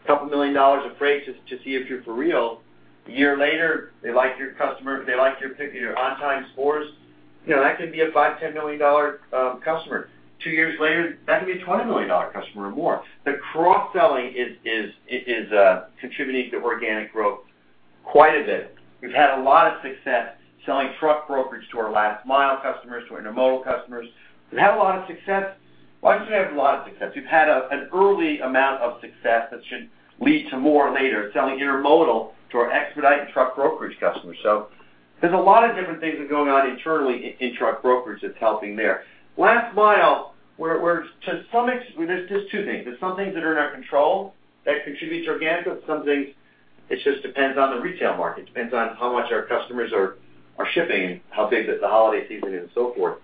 $2 million of freight to see if you're for real, a year later, they like your customer, they like your, your on-time scores. You know, that can be a $5-$10 million customer. Two years later, that can be a $20 million customer or more. The cross-selling is contributing to organic growth quite a bit. We've had a lot of success selling truck brokerage to our last mile customers, to our intermodal customers. We've had a lot of success. Well, I shouldn't say we have a lot of success. We've had an early amount of success that should lead to more later, selling intermodal to our expedite and truck brokerage customers. So there's a lot of different things that are going on internally in truck brokerage that's helping there. Last mile, we're to some extent. There's just two things. There's some things that are in our control that contributes organic, but some things, it just depends on the retail market. Depends on how much our customers are shipping and how big the holiday season is and so forth.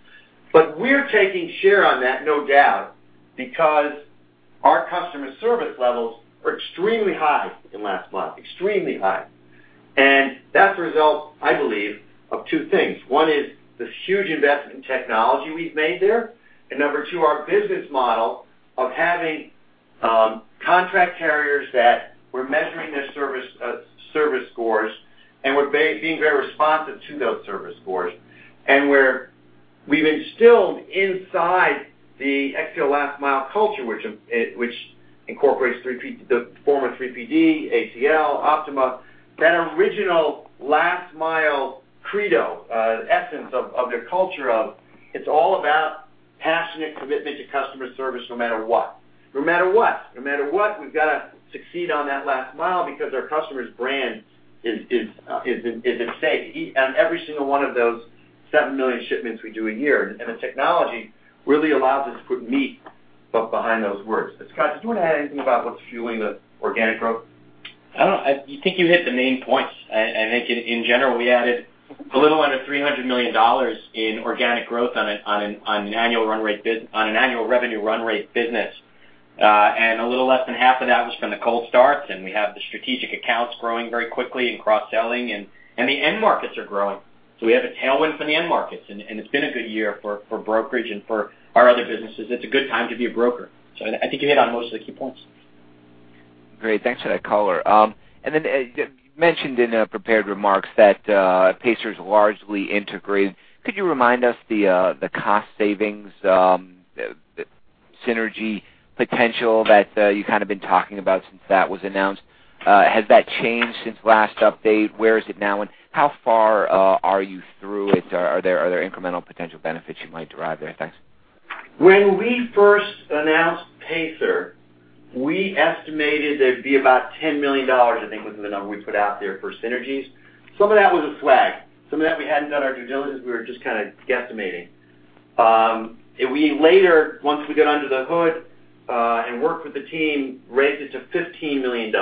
But we're taking share on that, no doubt, because our customer service levels are extremely high in last mile, extremely high. And that's a result, I believe, of two things. One is this huge investment in technology we've made there, and number two, our business model of having, contract carriers that we're measuring their service, service scores, and we're being very responsive to those service scores. And we've instilled inside the XPO last mile culture, which, which incorporates the former 3PD, ACL, Optima, that original last mile credo, essence of their culture of, it's all about passionate commitment to customer service, no matter what. No matter what! No matter what, we've got to succeed on that last mile because our customer's brand is at stake. On every single one of those 7 million shipments we do a year, and the technology really allows us to put meat behind those words. Scott, did you want to add anything about what's fueling the organic growth? I don't, I think you hit the main points. I think in general, we added a little under $300 million in organic growth on an annual revenue run rate business. And a little less than half of that was from the cold starts, and we have the strategic accounts growing very quickly and cross-selling, and the end markets are growing. So we have a tailwind from the end markets, and it's been a good year for brokerage and for our other businesses. It's a good time to be a broker, so I think you hit on most of the key points. Great, thanks for that color. And then you mentioned in the prepared remarks that Pacer is largely integrated. Could you remind us the cost savings, synergy potential that, you've kind of been talking about since that was announced. Has that changed since last update? Where is it now, and how far are you through it? Are there incremental potential benefits you might derive there? Thanks. When we first announced Pacer, we estimated there'd be about $10 million, I think was the number we put out there for synergies. Some of that was a WAG. Some of that we hadn't done our due diligence, we were just kind of guesstimating. And we later, once we got under the hood, and worked with the team, raised it to $15 million,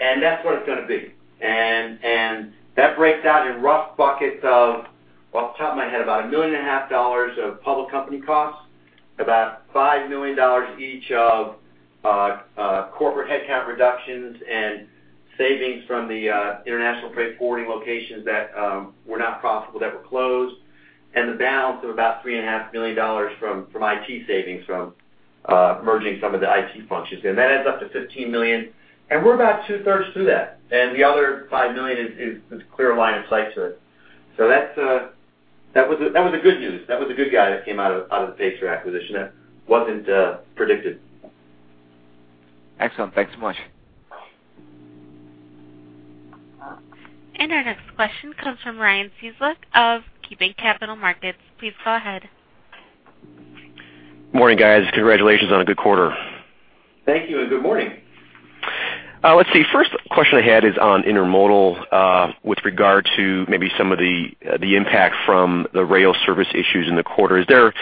and that's what it's gonna be. And that breaks out in rough buckets of, off the top of my head, about $1.5 million of public company costs, about $5 million each of corporate headcount reductions and savings from the international freight forwarding locations that were not profitable, that were closed, and the balance of about $3.5 million from IT savings, from merging some of the IT functions. That adds up to $15 million, and we're about two-thirds through that. The other $5 million is clear line of sight to it. So that's, that was the good news. That was the good guy that came out of the Pacer acquisition, that wasn't predicted. Excellent. Thanks so much. Our next question comes from Ryan Cieslak of KeyBanc Capital Markets. Please go ahead. Morning, guys. Congratulations on a good quarter. Thank you, and good morning. Let's see. First question I had is on intermodal, with regard to maybe some of the impact from the rail service issues in the quarter. Is there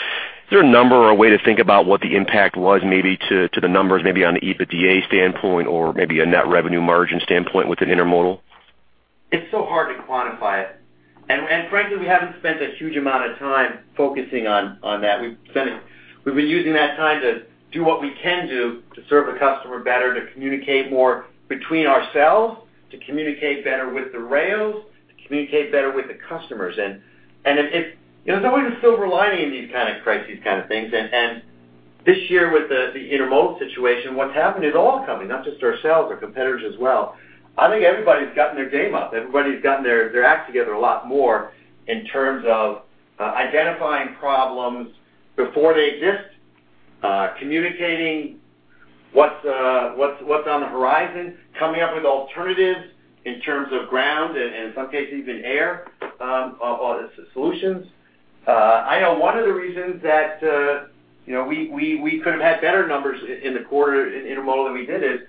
a number or a way to think about what the impact was maybe to the numbers, maybe on the EBITDA standpoint or maybe a net revenue margin standpoint within intermodal? It's so hard to quantify it. And frankly, we haven't spent a huge amount of time focusing on that. We've been using that time to do what we can do to serve the customer better, to communicate more between ourselves, to communicate better with the rails, to communicate better with the customers. And if there's always a silver lining in these kind of crises kind of things. And this year, with the intermodal situation, what's happened is all coming, not just ourselves, our competitors as well. I think everybody's gotten their game up. Everybody's gotten their act together a lot more in terms of identifying problems before they exist, communicating what's on the horizon, coming up with alternatives in terms of ground and, in some cases, even air, of solutions. I know one of the reasons that, you know, we could have had better numbers in the quarter in intermodal than we did is,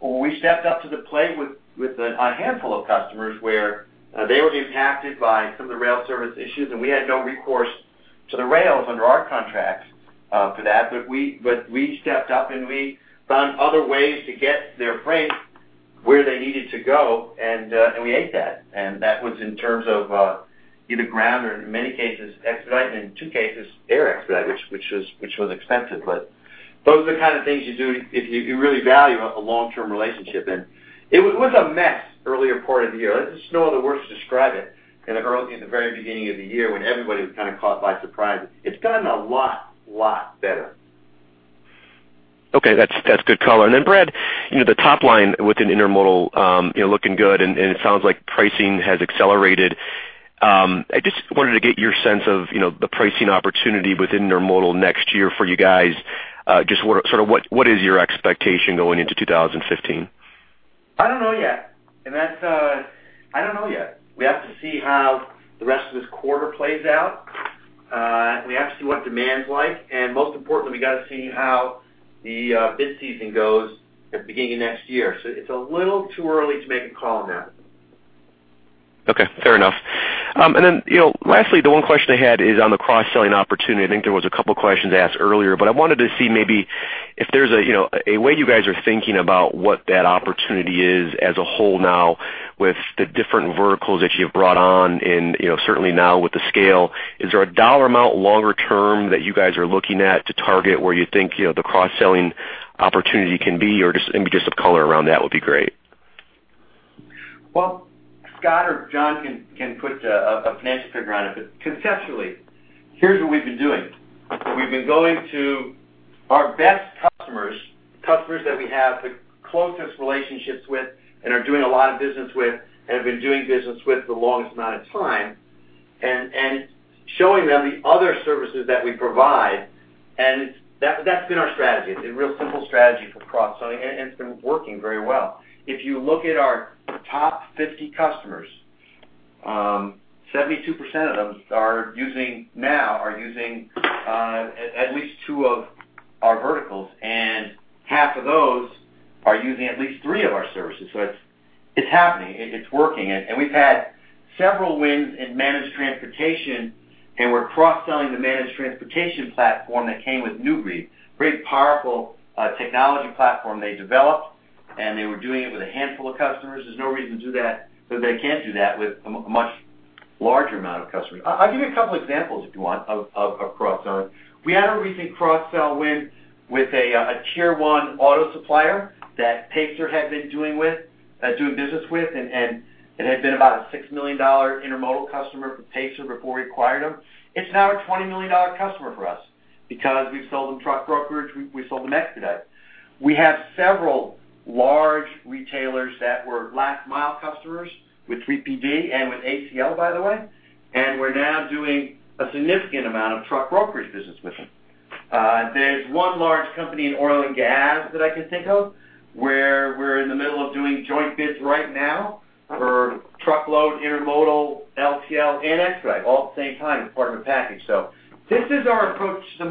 we stepped up to the plate with a handful of customers where they were impacted by some of the rail service issues, and we had no recourse to the rails under our contracts for that. But we stepped up, and we found other ways to get their freight where they needed to go, and we ate that. And that was in terms of either ground or in many cases, expedite, and in two cases, air expedite, which was expensive. But those are the kind of things you do if you really value a long-term relationship. And it was a mess earlier part of the year. There's just no other words to describe it in the early, in the very beginning of the year, when everybody was kind of caught by surprise. It's gotten a lot, lot better. Okay. That's good color. And then, Brad, you know, the top line within intermodal, you know, looking good, and it sounds like pricing has accelerated. I just wanted to get your sense of, you know, the pricing opportunity within intermodal next year for you guys. Just what is your expectation going into 2015? I don't know yet, and that's... I don't know yet. We have to see how the rest of this quarter plays out. We have to see what demand's like, and most importantly, we got to see how the bid season goes at the beginning of next year. So it's a little too early to make a call on that. Okay, fair enough. And then, you know, lastly, the one question I had is on the cross-selling opportunity. I think there was a couple questions asked earlier, but I wanted to see maybe if there's a, you know, a way you guys are thinking about what that opportunity is as a whole now, with the different verticals that you've brought on and, you know, certainly now with the scale. Is there a dollar amount longer term that you guys are looking at to target, where you think, you know, the cross-selling opportunity can be, or just maybe some color around that would be great? Well, Scott or John can put a financial figure on it, but conceptually, here's what we've been doing. We've been going to our best customers, customers that we have the closest relationships with and are doing a lot of business with and have been doing business with the longest amount of time, and showing them the other services that we provide, and that's been our strategy. A real simple strategy for cross-selling, and it's been working very well. If you look at our top 50 customers, 72% of them are using at least two of our verticals, and half of those are using at least three of our services. So it's happening, it's working. We've had several wins in managed transportation, and we're cross-selling the managed transportation platform that came with New Breed, very powerful technology platform they developed, and they were doing it with a handful of customers. There's no reason to do that, but they can't do that with much larger amount of customers. I'll give you a couple examples if you want, of cross-selling. We had a recent cross-sell win with a tier one auto supplier that Pacer had been doing business with, and it had been about a $6 million intermodal customer for Pacer before we acquired them. It's now a $20 million customer for us because we've sold them truck brokerage, we sold them expedite. We have several large retailers that were last mile customers with 3PD and with ACL, by the way, and we're now doing a significant amount of truck brokerage business with them. There's one large company in oil and gas that I can think of, where we're in the middle of doing joint bids right now for truckload, intermodal, LTL, and expedite, all at the same time, as part of a package. So this is our approach to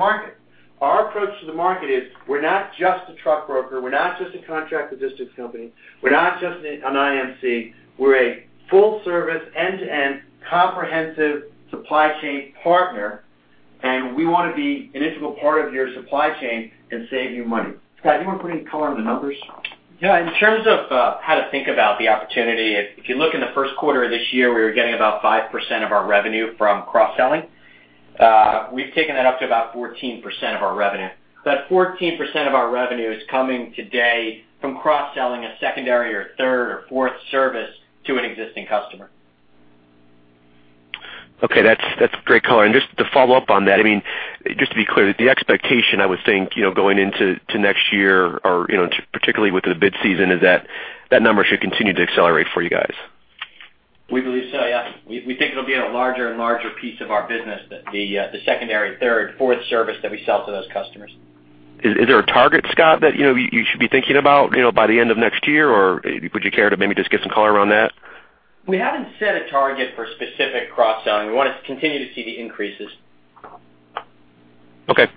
the market. Our approach to the market is, we're not just a truck broker, we're not just a contract logistics company, we're not just an IMC. We're a full-service, end-to-end, comprehensive supply chain partner, and we want to be an integral part of your supply chain and save you money. Scott, do you want to put any color on the numbers? Yeah, in terms of how to think about the opportunity, if you look in the first quarter of this year, we were getting about 5% of our revenue from cross-selling. We've taken that up to about 14% of our revenue. That 14% of our revenue is coming today from cross-selling a secondary or third or fourth service to an existing customer. Okay, that's, that's great color. And just to follow up on that, I mean, just to be clear, the expectation, I would think, you know, going into next year or, you know, particularly with the bid season, is that number should continue to accelerate for you guys? We believe so, yeah. We think it'll be a larger and larger piece of our business, the secondary, third, fourth service that we sell to those customers. Is there a target, Scott, that, you know, you should be thinking about, you know, by the end of next year? Or would you care to maybe just give some color around that? We haven't set a target for specific cross-selling. We want to continue to see the increases. Okay,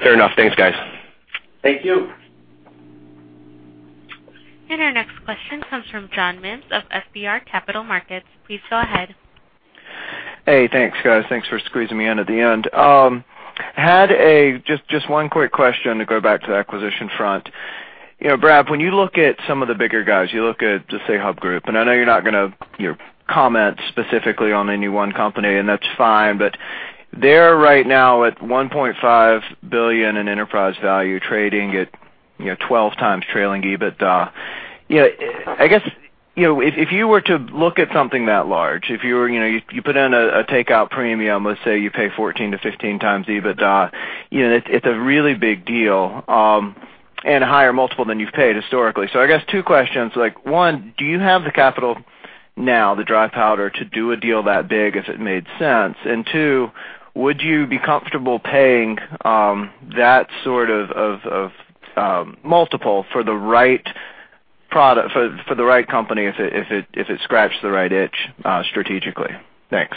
fair enough. Thanks, guys. Thank you. Our next question comes from John Mims of FBR Capital Markets. Please go ahead. Hey, thanks, guys. Thanks for squeezing me in at the end. Had just one quick question to go back to the acquisition front. You know, Brad, when you look at some of the bigger guys, you look at, just say, Hub Group, and I know you're not going to, you know, comment specifically on any one company, and that's fine. But they're right now at $1.5 billion in enterprise value, trading at, you know, 12x trailing EBIT. You know, I guess, you know, if you were to look at something that large, if you were, you know, you put in a takeout premium, let's say you pay 14x-15x EBIT, you know, it's a really big deal, and a higher multiple than you've paid historically. So I guess two questions, like, one, do you have the capital now, the dry powder, to do a deal that big, if it made sense? And two, would you be comfortable paying that sort of multiple for the right company, if it scratched the right itch, strategically? Thanks.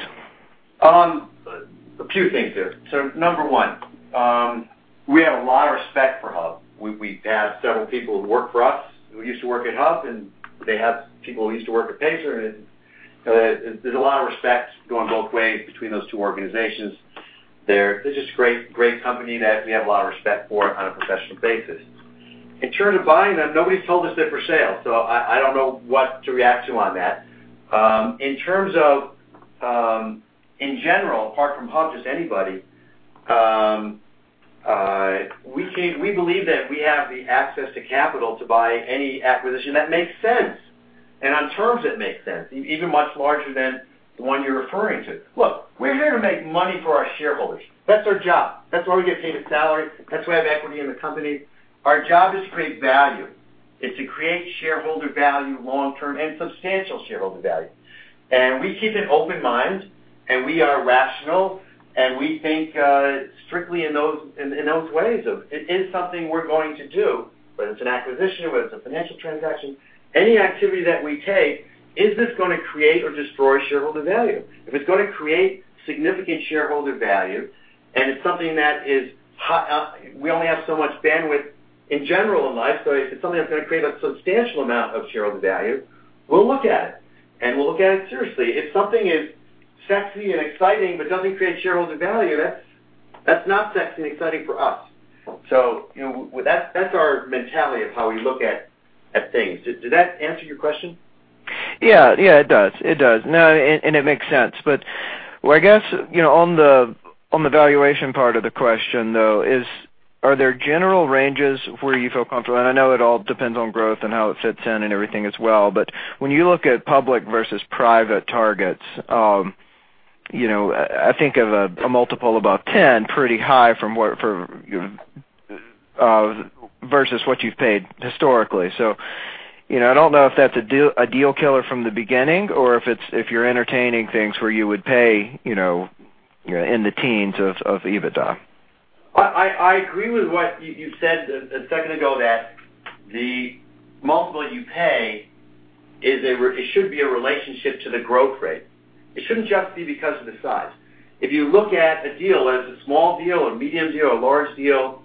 A few things there. So number one, we have a lot of respect for Hub. We, we've had several people who work for us, who used to work at Hub, and they have people who used to work at Pacer, and there's a lot of respect going both ways between those two organizations there. They're just great, great company that we have a lot of respect for on a professional basis. In terms of buying them, nobody's told us they're for sale, so I, I don't know what to react to on that. In terms of, in general, apart from Hub, just anybody, we believe that we have the access to capital to buy any acquisition that makes sense, and on terms that make sense, even much larger than the one you're referring to. Look, we're here to make money for our shareholders. That's our job. That's why we get paid a salary. That's why we have equity in the company. Our job is to create value, is to create shareholder value long term and substantial shareholder value. And we keep an open mind, and we are rational, and we think strictly in those ways of it. If it's something we're going to do, whether it's an acquisition, whether it's a financial transaction, any activity that we take, is this going to create or destroy shareholder value? If it's going to create significant shareholder value, and it's something that is high up, we only have so much bandwidth in general in life, so if it's something that's going to create a substantial amount of shareholder value, we'll look at it, and we'll look at it seriously. If something is sexy and exciting but doesn't create shareholder value, that's not sexy and exciting for us. So, you know, that's our mentality of how we look at things. Did that answer your question? Yeah. Yeah, it does. It does. No, and it makes sense. But well, I guess, you know, on the valuation part of the question, though, is, are there general ranges where you feel comfortable? And I know it all depends on growth and how it fits in and everything as well. But when you look at public versus private targets, you know, I think of a multiple above 10, pretty high from what for versus what you've paid historically. So, you know, I don't know if that's a deal killer from the beginning or if you're entertaining things where you would pay, you know, in the teens of EBITDA. I agree with what you said a second ago, that the multiple you pay is a relationship to the growth rate. It shouldn't just be because of the size. If you look at a deal, whether it's a small deal, a medium deal, a large deal,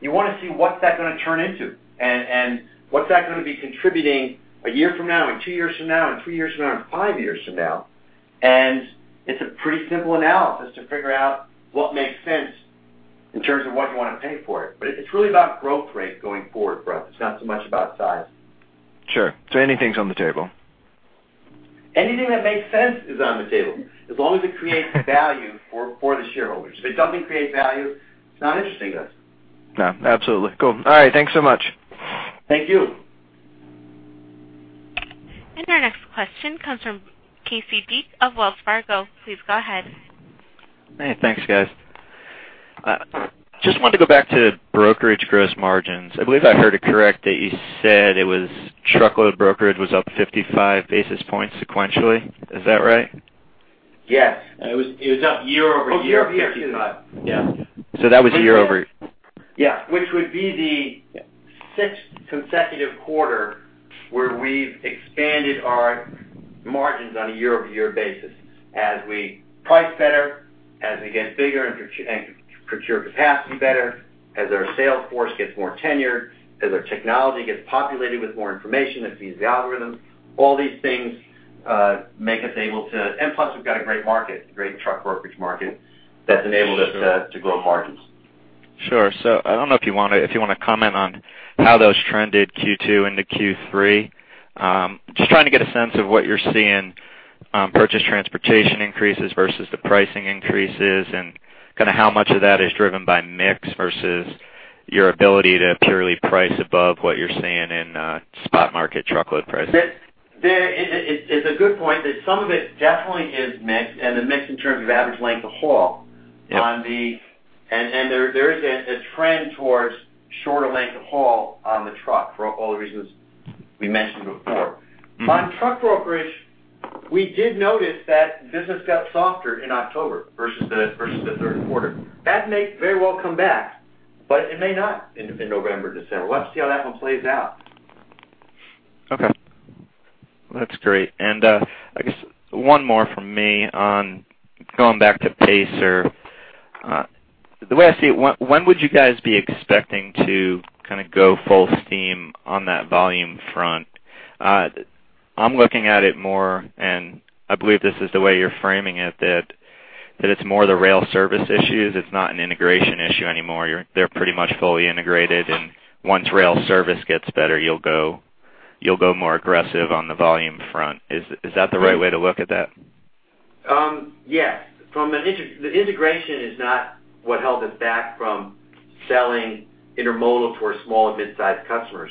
you want to see what's that going to turn into? And, what's that going to be contributing a year from now, and two years from now, and three years from now, and five years from now. And it's a pretty simple analysis to figure out what makes sense in terms of what you want to pay for it. But it's really about growth rate going forward for us. It's not so much about size. Sure. So anything's on the table? Anything that makes sense is on the table, as long as it creates value for, for the shareholders. If it doesn't create value, it's not interesting to us. No, absolutely. Cool. All right. Thanks so much. Thank you. Our next question comes from Casey Deak of Wells Fargo. Please go ahead. Hey, thanks, guys. Just wanted to go back to brokerage gross margins. I believe I heard it correct that you said it was truckload brokerage was up 55 basis points sequentially. Is that right? Yes. It was, it was up year-over-year of 55. Yeah. So that was year over- Yeah, which would be the sixth consecutive quarter where we've expanded our margins on a year-over-year basis as we price better, as we get bigger and procure capacity better, as our sales force gets more tenured, as our technology gets populated with more information, that feeds the algorithms. All these things make us able to, and plus, we've got a great market, a great truck brokerage market, that's enabled us to grow margins. Sure. So I don't know if you want to, if you want to comment on how those trended Q2 into Q3. Just trying to get a sense of what you're seeing, purchase transportation increases versus the pricing increases, and kind of how much of that is driven by mix versus your ability to purely price above what you're seeing in, spot market truckload pricing. It's a good point, that some of it definitely is mix, and the mix in terms of average length of haul. Yep. There is a trend towards shorter length of haul on the truck for all the reasons we menMioned before. Mm-hmm. On truck brokerage, we did notice that business got softer in October versus the third quarter. That may very well come back, but it may not in November, December. We'll have to see how that one plays out. Okay. Well, that's great. And, I guess one more from me on going back to Pacer. The way I see it, when would you guys be expecting to kind of go full steam on that volume front? I'm looking at it more, and I believe this is the way you're framing it, that it's more the rail service issues, it's not an integration issue anymore. They're pretty much fully integrated, and once rail service gets better, you'll go more aggressive on the volume front. Is that the right way to look at that? Yes, the integration is not what held us back from selling intermodal for small and mid-sized customers.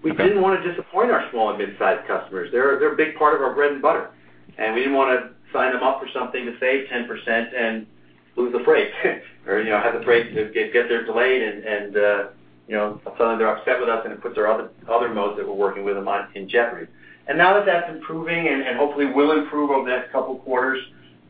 Okay. We didn't want to disappoint our small and mid-sized customers. They're a big part of our bread and butter, and we didn't want to sign them up for something to save 10% and lose the freight, or, you know, have the freight get there delayed and, you know, suddenly they're upset with us, and it puts their other modes that we're working with them on in jeopardy. And now that that's improving and hopefully will improve over the next couple of quarters,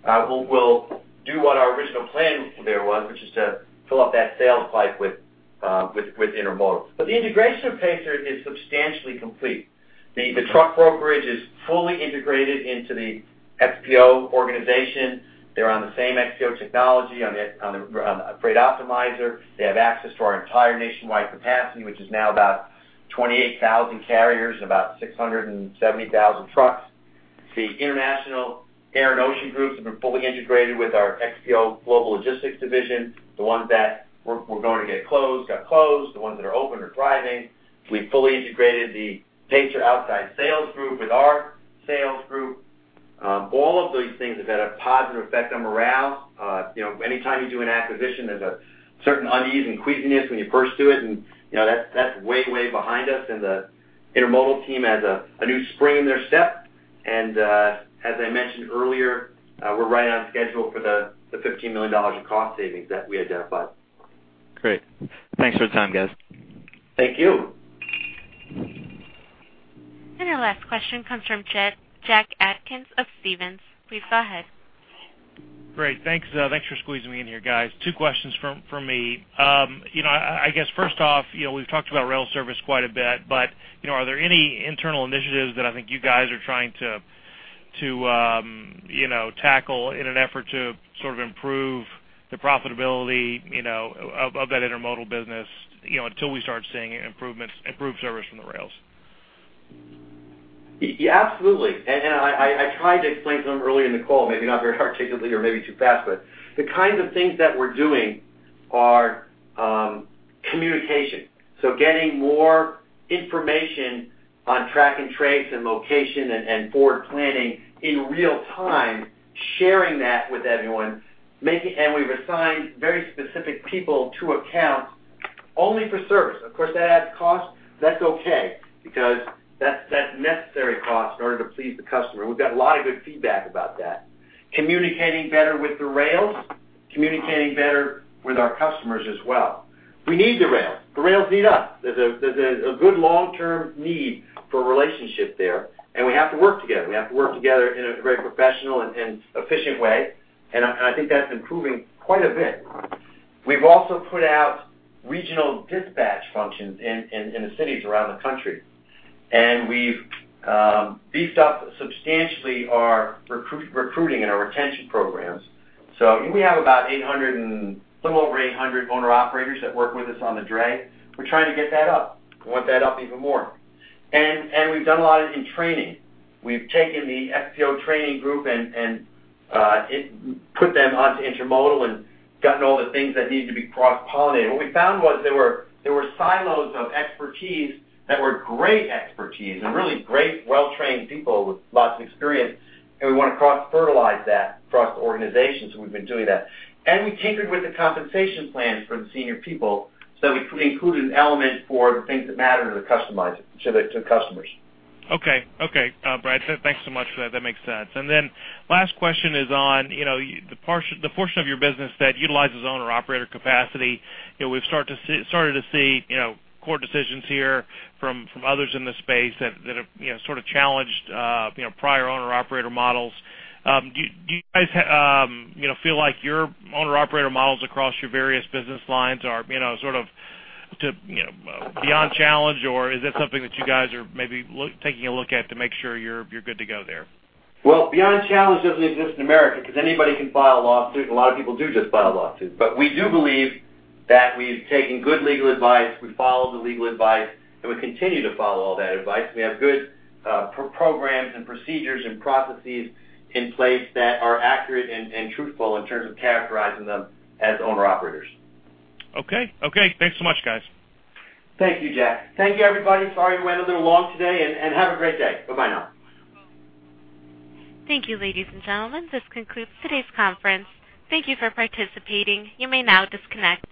we'll do what our original plan there was, which is to fill up that sales PIPE with intermodal. But the integration of Pacer is substantially complete. The truck brokerage is fully integrated into the XPO organization. They're on the same XPO technology, on the Freight Optimizer. They have access to our entire nationwide capacity, which is now about 28,000 carriers and about 670,000 trucks. The international air and ocean groups have been fully integrated with our XPO global logistics division. The ones that were, were going to get closed, got closed. The ones that are open are thriving. We've fully integrated the Pacer outside sales group with our sales group. All of these things have had a positive effect on morale. You know, anytime you do an acquisition, there's a certain unease and queasiness when you first do it, and, you know, that's way, way behind us. The intermodal team has a new spring in their step, and, as I mentioned earlier, we're right on schedule for the $15 million in cost savings that we identified. Great. Thanks for the time, guys. Thank you. Our last question comes from Jack Atkins of Stephens. Please go ahead. Great. Thanks, thanks for squeezing me in here, guys. Two questions from me. You know, I guess first off, you know, we've talked about rail service quite a bit, but, you know, are there any internal initiatives that you guys are trying to tackle in an effort to sort of improve the profitability, you know, of that intermodal business, you know, until we start seeing improvements, improved service from the rails? Yeah, absolutely. I tried to explain something earlier in the call, maybe not very articulately or maybe too fast, but the kinds of things that we're doing are communication. So getting more information on track and trace and location and forward planning in real time, sharing that with everyone, making, we've assigned very specific people to accounts only for service. Of course, that adds cost. That's okay because that's necessary cost in order to please the customer. We've got a lot of good feedback about that. Communicating better with the rails, communicating better with our customers as well. We need the rails. The rails need us. There's a good long-term need for a relationship there, and we have to work together. We have to work together in a very professional and efficient way, and I think that's improving quite a bit. We've also put out regional dispatch functions in the cities around the country, and we've beefed up substantially our recruiting and our retention programs. So we have about 800 and some over 800 owner-operators that work with us on the dray. We're trying to get that up. We want that up even more. And we've done a lot in training. We've taken the XPO training group and put them onto intermodal and gotten all the things that need to be cross-pollinated. What we found was there were silos of expertise that were great expertise and really great, well-trained people with lots of experience, and we want to cross-fertilize that across the organization, so we've been doing that. We tinkered with the compensation plans for the senior people, so we included an element for the things that matter to the customer, to the customers. Okay. Okay, Brad, thanks so much for that. That makes sense. And then last question is on, you know, the portion of your business that utilizes owner-operator capacity. You know, we've started to see, you know, core decisions here from, from others in the space that, that have, you know, sort of challenged, you know, prior owner-operator models. Do you, do you guys, you know, feel like your owner-operator models across your various business lines are, you know, sort of to, you know, beyond challenged, or is that something that you guys are maybe taking a look at to make sure you're, you're good to go there? Well, beyond challenge doesn't exist in America, because anybody can file a lawsuit, and a lot of people do just file a lawsuit. But we do believe that we've taken good legal advice, we followed the legal advice, and we continue to follow all that advice. We have good programs and procedures and processes in place that are accurate and truthful in terms of characterizing them as owner-operators. Okay. Okay, thanks so much, guys. Thank you, Jack. Thank you, everybody. Sorry we went a little long today, and have a great day. Bye-bye now. Thank you, ladies and gentlemen. This concludes today's conference. Thank you for participating. You may now disconnect.